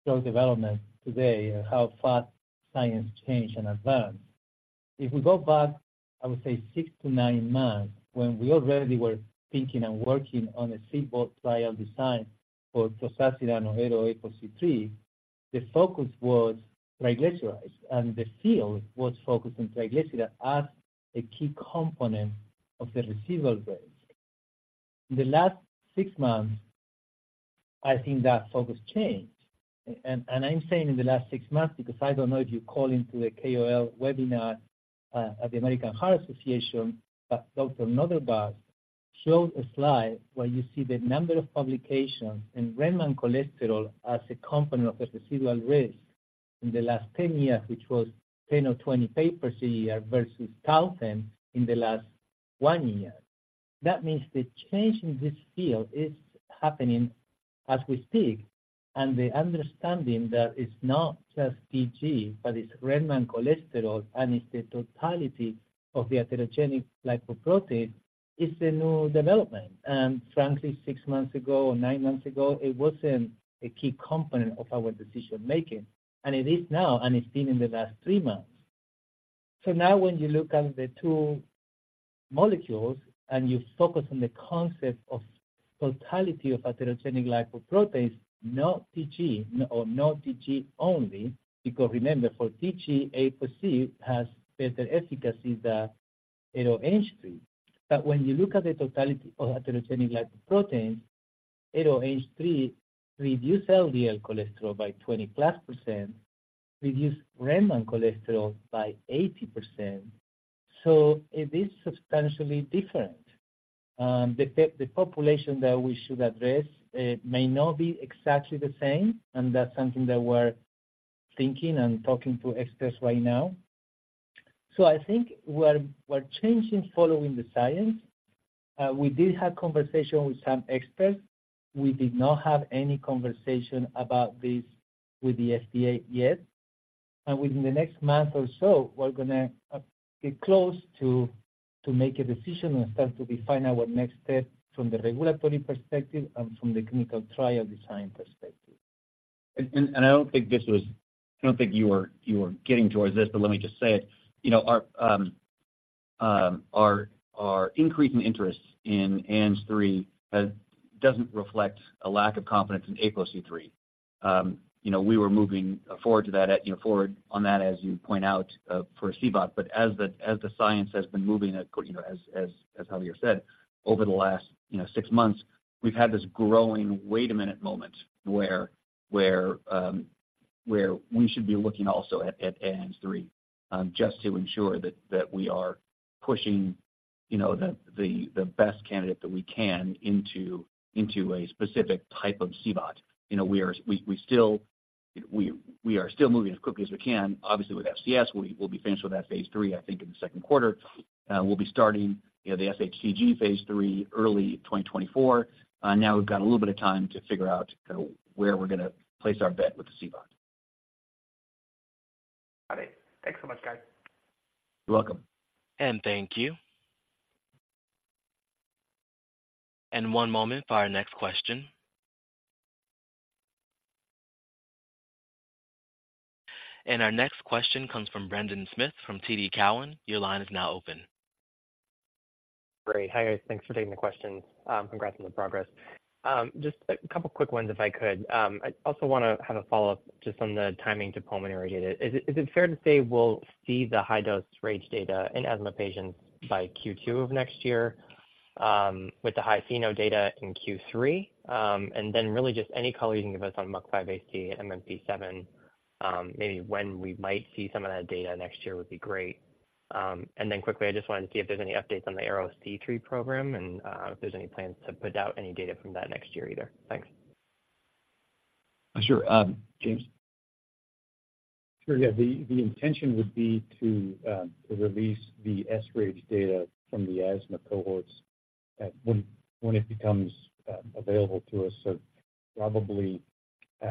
drug development today and how fast science change and advance.... If we go back, I would say six to nine months, when we already were thinking and working on a CVOT trial design for zodasiran or APOC3, the focus was triglycerides, and the field was focused on triglycerides as a key component of the residual risk. In the last six months, I think that focus changed. And I'm saying in the last six months, because I don't know if you called into the KOL webinar at the American Heart Association, but Dr. Nordestgaard showed a slide where you see the number of publications in remnant cholesterol as a component of the residual risk in the last 10 years, which was 10 or 20 papers a year versus 1,000 in the last one year. That means the change in this field is happening as we speak, and the understanding that it's not just TG, but it's remnant cholesterol, and it's the totality of the atherogenic lipoprotein, is a new development. And frankly, six months ago or nine months ago, it wasn't a key component of our decision making, and it is now, and it's been in the last three months. So now when you look at the two molecules and you focus on the concept of totality of atherogenic lipoproteins, not TG or not TG only, because remember, for TG, ApoC3 has better efficacy than H2. But when you look at the totality of atherogenic lipoproteins, ARO-APOC3 reduce LDL cholesterol by 20+%, reduce remnant cholesterol by 80%. So it is substantially different. The population that we should address may not be exactly the same, and that's something that we're thinking and talking to experts right now. So I think we're, we're changing following the science. We did have conversation with some experts. We did not have any conversation about this with the FDA yet. And within the next month or so, we're going to get close to, to make a decision and start to define our next step from the regulatory perspective and from the clinical trial design perspective. I don't think you were getting towards this, but let me just say it. You know, our increasing interest in ANG3 doesn't reflect a lack of confidence in APOC3. You know, we were moving forward to that, you know, forward on that, as you point out, for CVOT. But as the science has been moving, you know, as Javier said, over the last six months, we've had this growing wait a minute moment where we should be looking also at ANG3, just to ensure that we are pushing, you know, the best candidate that we can into a specific type of CVOT. You know, we are still moving as quickly as we can. Obviously, with FCS, we will be finished with that phase III, I think, in the second quarter. We'll be starting, you know, the sHTG phase III early 2024. Now we've got a little bit of time to figure out kind of where we're going to place our bet with the CVOT. Got it. Thanks so much, guys. You're welcome. Thank you. One moment for our next question. Our next question comes from Brendan Smith, from TD Cowen. Your line is now open. Great. Hi, guys. Thanks for taking the questions. Congrats on the progress. Just a couple quick ones, if I could. I also want to have a follow-up just on the timing to pulmonary edema. Is it fair to say we'll see the high-dose RAGE data in asthma patients by Q2 of next year, with the high FeNO data in Q3? And then really, just any color you can give us on MUC5AC and MMP7, maybe when we might see some of that data next year would be great. And then quickly, I just wanted to see if there's any updates on the ARO-C3 program and, if there's any plans to put out any data from that next year either. Thanks. Sure. James? Sure, yeah. The intention would be to release the sRAGE data from the asthma cohorts at when it becomes available to us. So probably, you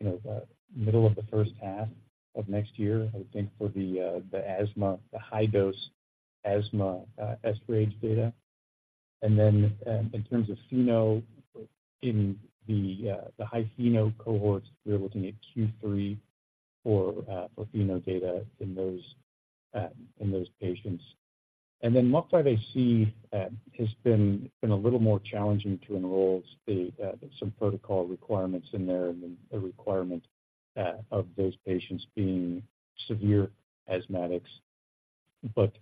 know, the middle of the first half of next year, I would think, for the asthma, the high-dose asthma, sRAGE data. And then, in terms of FeNO, in the high FeNO cohorts, we're looking at Q3 for FeNO data in those patients. And then MUC5AC has been a little more challenging to enroll. There's some protocol requirements in there and the requirement of those patients being severe asthmatics. But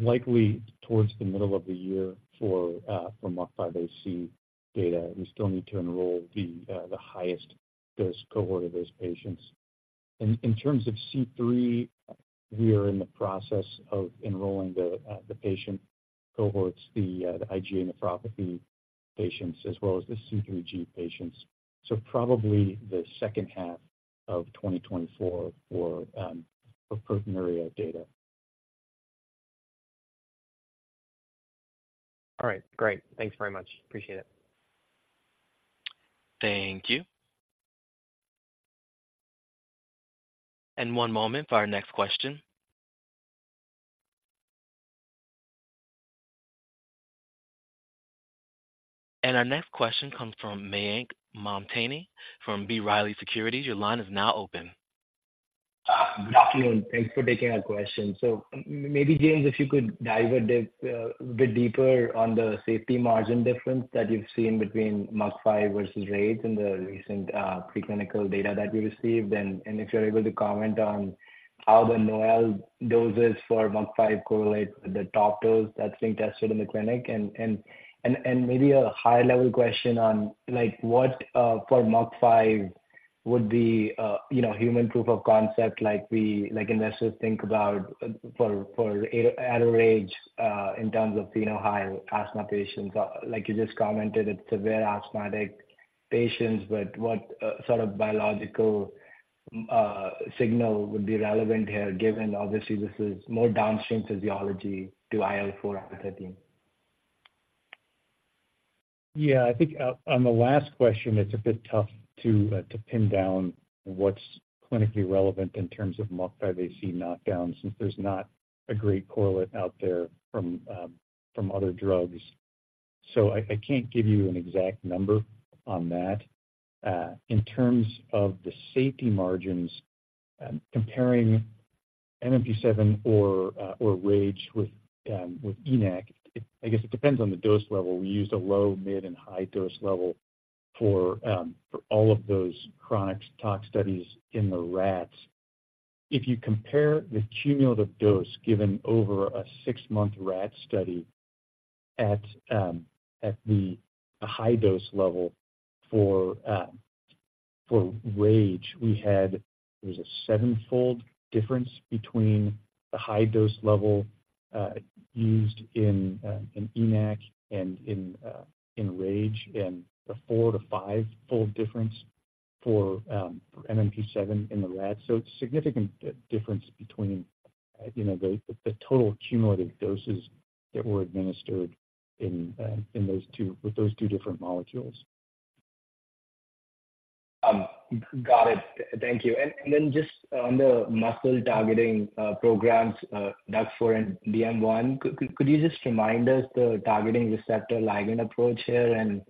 likely towards the middle of the year for ARO-MUC5AC data. We still need to enroll the highest risk cohort of those patients. In terms of C3, we are in the process of enrolling the patient cohorts, the IgA nephropathy patients, as well as the C3G patients. So probably the second half of 2024 for proteinuria data. All right, great. Thanks very much. Appreciate it. Thank you. One moment for our next question. Our next question comes from Mayank Mamtani from B. Riley Securities. Your line is now open. Good afternoon. Thanks for taking our question. So maybe, James, if you could dive a bit bit deeper on the safety margin difference that you've seen between MUC5 versus RAGE in the recent preclinical data that we received. And if you're able to comment on how the NOAEL doses for MUC5 correlate with the top dose that's being tested in the clinic. And maybe a high-level question on, like, what for MUC5 would be, you know, human proof of concept like investors think about for ARO-RAGE in terms of, you know, high asthma patients. Like you just commented, it's severe asthmatic patients, but what sort of biological signal would be relevant here, given obviously this is more downstream physiology to IL-4 IL-13? Yeah, I think, on the last question, it's a bit tough to, to pin down what's clinically relevant in terms of MUC5AC knockdown, since there's not a great correlate out there from, from other drugs. So I, I can't give you an exact number on that. In terms of the safety margins, comparing MMP7 or, or RAGE with, with ENaC, it... I guess it depends on the dose level. We used a low, mid, and high dose level for, for all of those chronic tox studies in the rats. If you compare the cumulative dose given over a six-month rat study at, at the high dose level for, for RAGE, we had, it was a sevenfold difference between the high dose level, used in, in ENaC and in, in RAGE, and a four- to five-fold difference for, for MMP7 in the rat. So it's a significant difference between, you know, the, the total cumulative doses that were administered in, in those two, with those two different molecules. Got it. Thank you. And then just on the muscle-targeting programs, DUX4 and DM1, could you just remind us the targeting receptor ligand approach here? And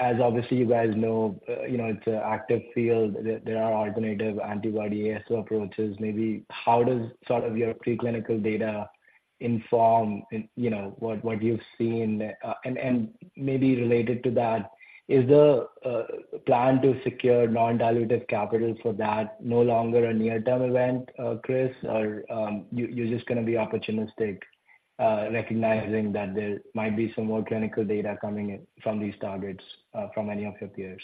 as obviously you guys know, you know, it's an active field. There are alternative antibody ASL approaches. Maybe how does sort of your preclinical data inform, you know, what you've seen? And maybe related to that, is the plan to secure non-dilutive capital for that no longer a near-term event, Chris, or you, you're just gonna be opportunistic, recognizing that there might be some more clinical data coming in from these targets, from any of your peers?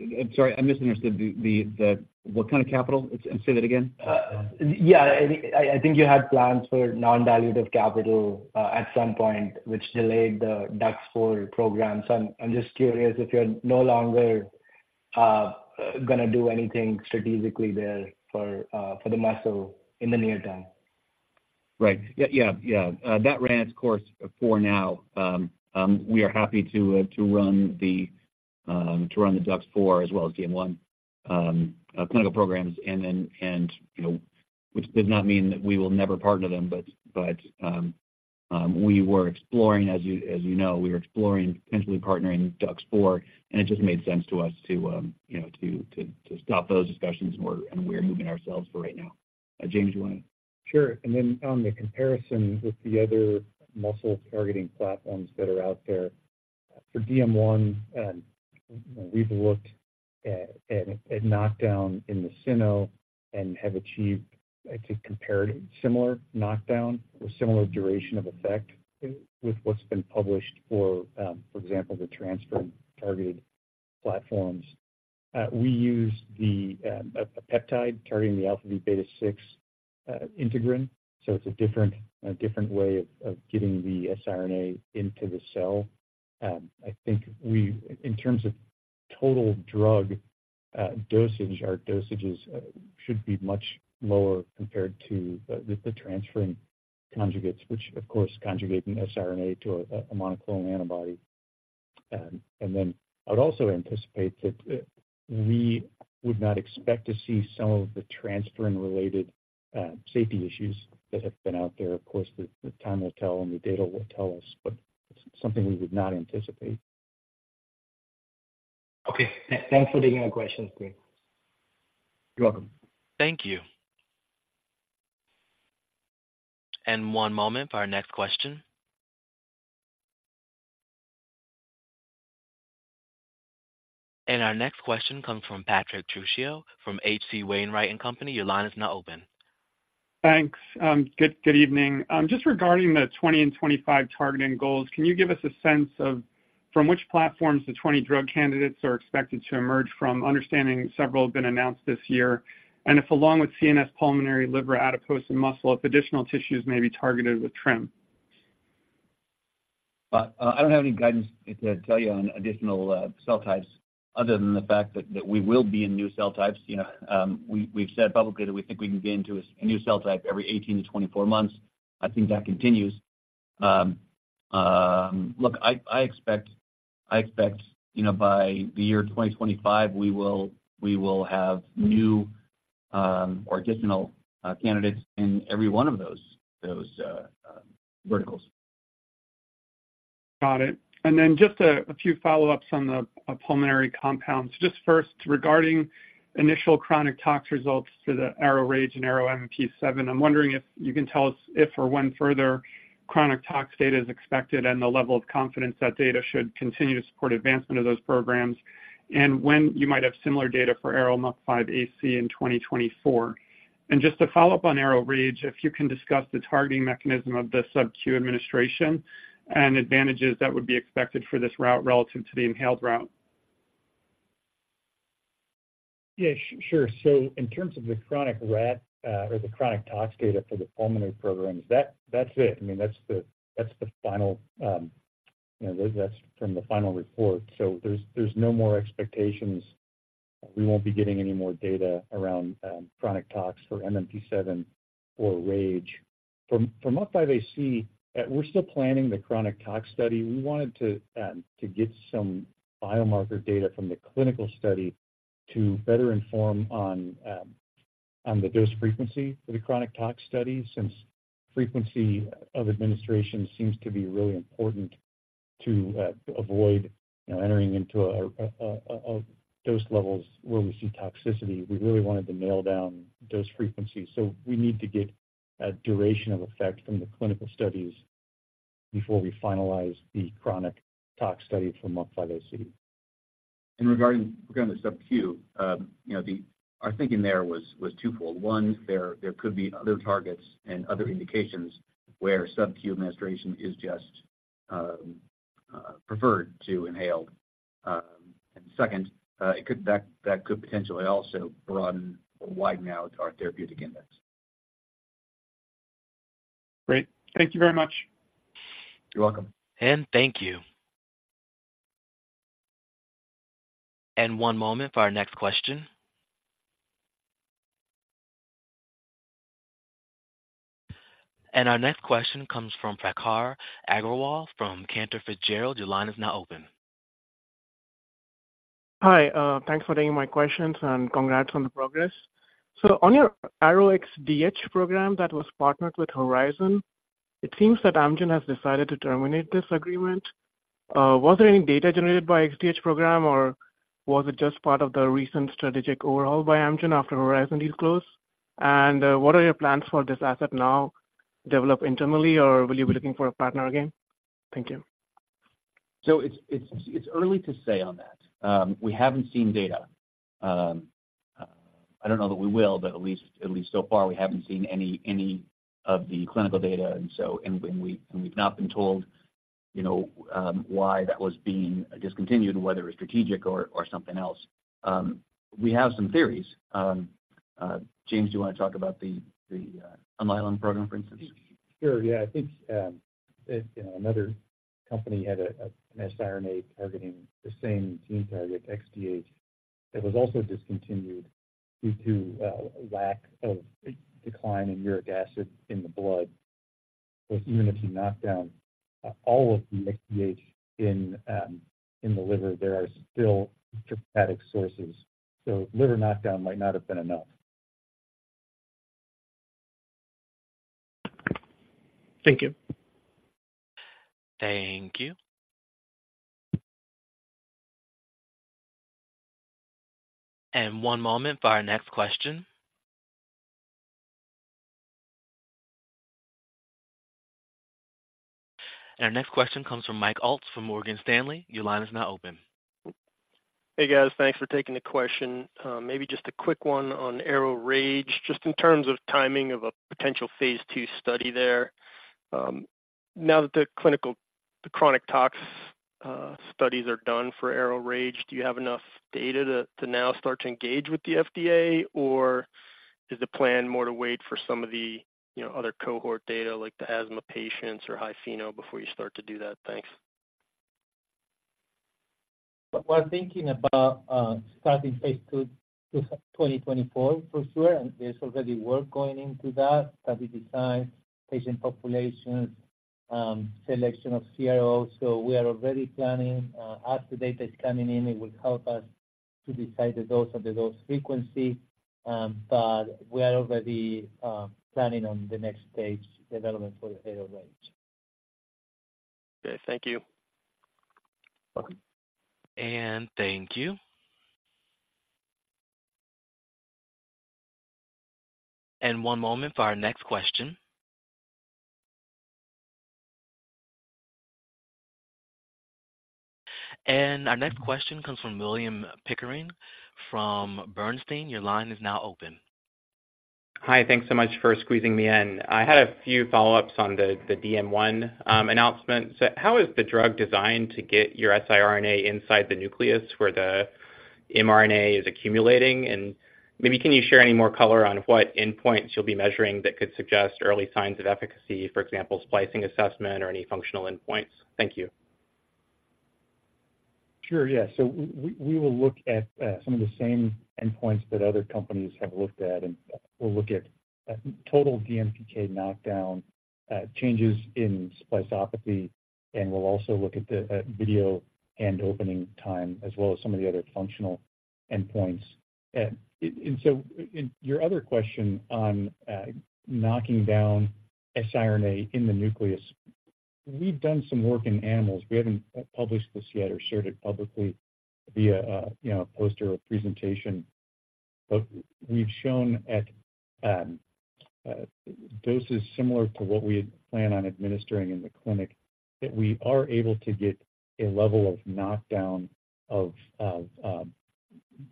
I'm sorry, I misunderstood. What kind of capital? Say that again. Yeah. I think you had plans for non-dilutive capital at some point, which delayed the DUX4 program. So I'm just curious if you're no longer gonna do anything strategically there for the muscle in the near term. Right. Yeah. Yeah, yeah. That ran its course for now. We are happy to run the DUX4 as well as DM1 clinical programs, and you know, which does not mean that we will never partner them. But we were exploring, as you know, we were exploring potentially partnering DUX4, and it just made sense to us to you know, to stop those discussions, and we're moving ourselves for right now. James, you want to- Sure. And then on the comparison with the other muscle-targeting platforms that are out there, for DM1, we've looked at knockdown in vivo and have achieved, I'd say, compared similar knockdown or similar duration of effect with what's been published for, for example, the transferrin-targeted platforms. We use a peptide targeting the alpha v beta 6 integrin, so it's a different way of getting the sRNA into the cell. I think, in terms of total drug dosage, our dosages should be much lower compared to the transferrin conjugates, which of course conjugating sRNA to a monoclonal antibody. And then I would also anticipate that we would not expect to see some of the transferrin-related safety issues that have been out there. Of course, the time will tell, and the data will tell us, but it's something we would not anticipate. Okay. Thanks for taking our questions. You're welcome. Thank you. One moment for our next question. Our next question comes from Patrick Trucchio from H.C. Wainwright & Co. Your line is now open. Thanks. Good evening. Just regarding the 20% and 25% targeting goals, can you give us a sense of from which platforms the 20 drug candidates are expected to emerge from? Understanding several have been announced this year, and if, along with CNS, pulmonary, liver, adipose, and muscle, if additional tissues may be targeted with TRiM. I don't have any guidance to tell you on additional cell types other than the fact that we will be in new cell types. You know, we've said publicly that we think we can get into a new cell type every 18-24 months. I think that continues. Look, I expect, you know, by the year 2025, we will have new or additional candidates in every one of those verticals. Got it. And then just a few follow-ups on the pulmonary compounds. Just first, regarding initial chronic tox results to the ARO-RAGE and ARO-MMP7, I'm wondering if you can tell us if or when further chronic tox data is expected and the level of confidence that data should continue to support advancement of those programs, and when you might have similar data for ARO-MUC5AC in 2024. And just to follow up on ARO-RAGE, if you can discuss the targeting mechanism of the subq administration and advantages that would be expected for this route relative to the inhaled route. Yeah, sure. So in terms of the chronic rat, or the chronic tox data for the pulmonary programs, that, that's it. I mean, that's the, that's the final, you know, that's from the final report. So there's, there's no more expectations. We won't be getting any more data around, chronic tox for MMP7 or RAGE. From, from MUC5AC, we're still planning the chronic tox study. We wanted to, to get some biomarker data from the clinical study to better inform on, on the dose frequency for the chronic tox study, since frequency of administration seems to be really important to, avoid entering into a, dose levels where we see toxicity. We really wanted to nail down dose frequency, so we need to get a duration of effect from the clinical studies before we finalize the chronic tox study for MUC5AC. Regarding the subq, you know, our thinking there was twofold. One, there could be other targets and other indications where subq administration is just preferred to inhaled. And second, that could potentially also broaden or widen out our therapeutic index. Great. Thank you very much. You're welcome. And thank you. One moment for our next question. Our next question comes from Prakhar Agrawal from Cantor Fitzgerald. Your line is now open. Hi, thanks for taking my questions, and congrats on the progress. So on your ARO-XDH program that was partnered with Horizon, it seems that Amgen has decided to terminate this agreement. Was there any data generated by XDH program, or was it just part of the recent strategic overhaul by Amgen after Horizon deal closed? And, what are your plans for this asset now? Develop internally, or will you be looking for a partner again? Thank you. So it's early to say on that. We haven't seen data. I don't know that we will, but at least so far, we haven't seen any of the clinical data. And so we've not been told, you know, why that was being discontinued, whether it's strategic or something else. We have some theories. James, do you want to talk about the Alnylam program, for instance? Sure. Yeah. I think, another company had an siRNA targeting the same gene target, XDH. It was also discontinued due to lack of decline in uric acid in the blood, with even if you knock down all of the XDH in the liver, there are still hepatic sources. So liver knockdown might not have been enough. Thank you. Thank you. One moment for our next question. Our next question comes from Mike Ulz from Morgan Stanley. Your line is now open. Hey, guys. Thanks for taking the question. Maybe just a quick one on ARO-RAGE, just in terms of timing of a potential phase II study there. Now that the clinical, the chronic tox studies are done for ARO-RAGE, do you have enough data to now start to engage with the FDA, or is the plan more to wait for some of the, you know, other cohort data, like the asthma patients or high FeNO, before you start to do that? Thanks. We're thinking about starting phase II in 2024, for sure, and there's already work going into that. Study design, patient populations, selection of CROs. So we are already planning. As the data is coming in, it will help us to decide the dose and the dose frequency, but we are already planning on the next stage development for the ARO-RAGE. Okay. Thank you. Welcome. Thank you. One moment for our next question. Our next question comes from William Pickering from Bernstein. Your line is now open. Hi. Thanks so much for squeezing me in. I had a few follow-ups on the DM1 announcement. So how is the drug designed to get your siRNA inside the nucleus, where the mRNA is accumulating? And maybe can you share any more color on what endpoints you'll be measuring that could suggest early signs of efficacy, for example, splicing assessment or any functional endpoints? Thank you. Sure, yeah. So we, we will look at some of the same endpoints that other companies have looked at, and we'll look at total DMPK knockdown, changes in spliceopathy, and we'll also look at the video and opening time, as well as some of the other functional endpoints. And so your other question on knocking down siRNA in the nucleus, we've done some work in animals. We haven't published this yet or shared it publicly via a you know a poster or presentation, but we've shown at doses similar to what we plan on administering in the clinic, that we are able to get a level of knockdown of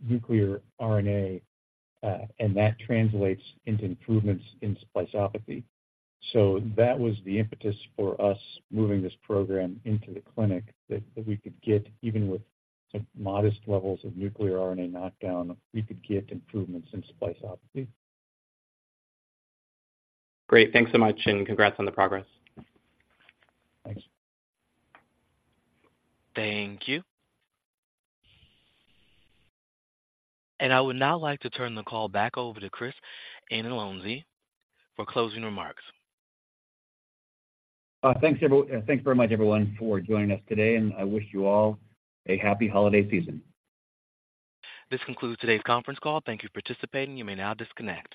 nuclear RNA, and that translates into improvements in spliceopathy. That was the impetus for us moving this program into the clinic, that we could get, even with modest levels of nuclear RNA knockdown, we could get improvements in spliceopathy. Great. Thanks so much, and congrats on the progress. Thanks. Thank you. I would now like to turn the call back over to Chris Anzalone for closing remarks. Thanks very much, everyone, for joining us today, and I wish you all a happy holiday season. This concludes today's conference call. Thank you for participating. You may now disconnect.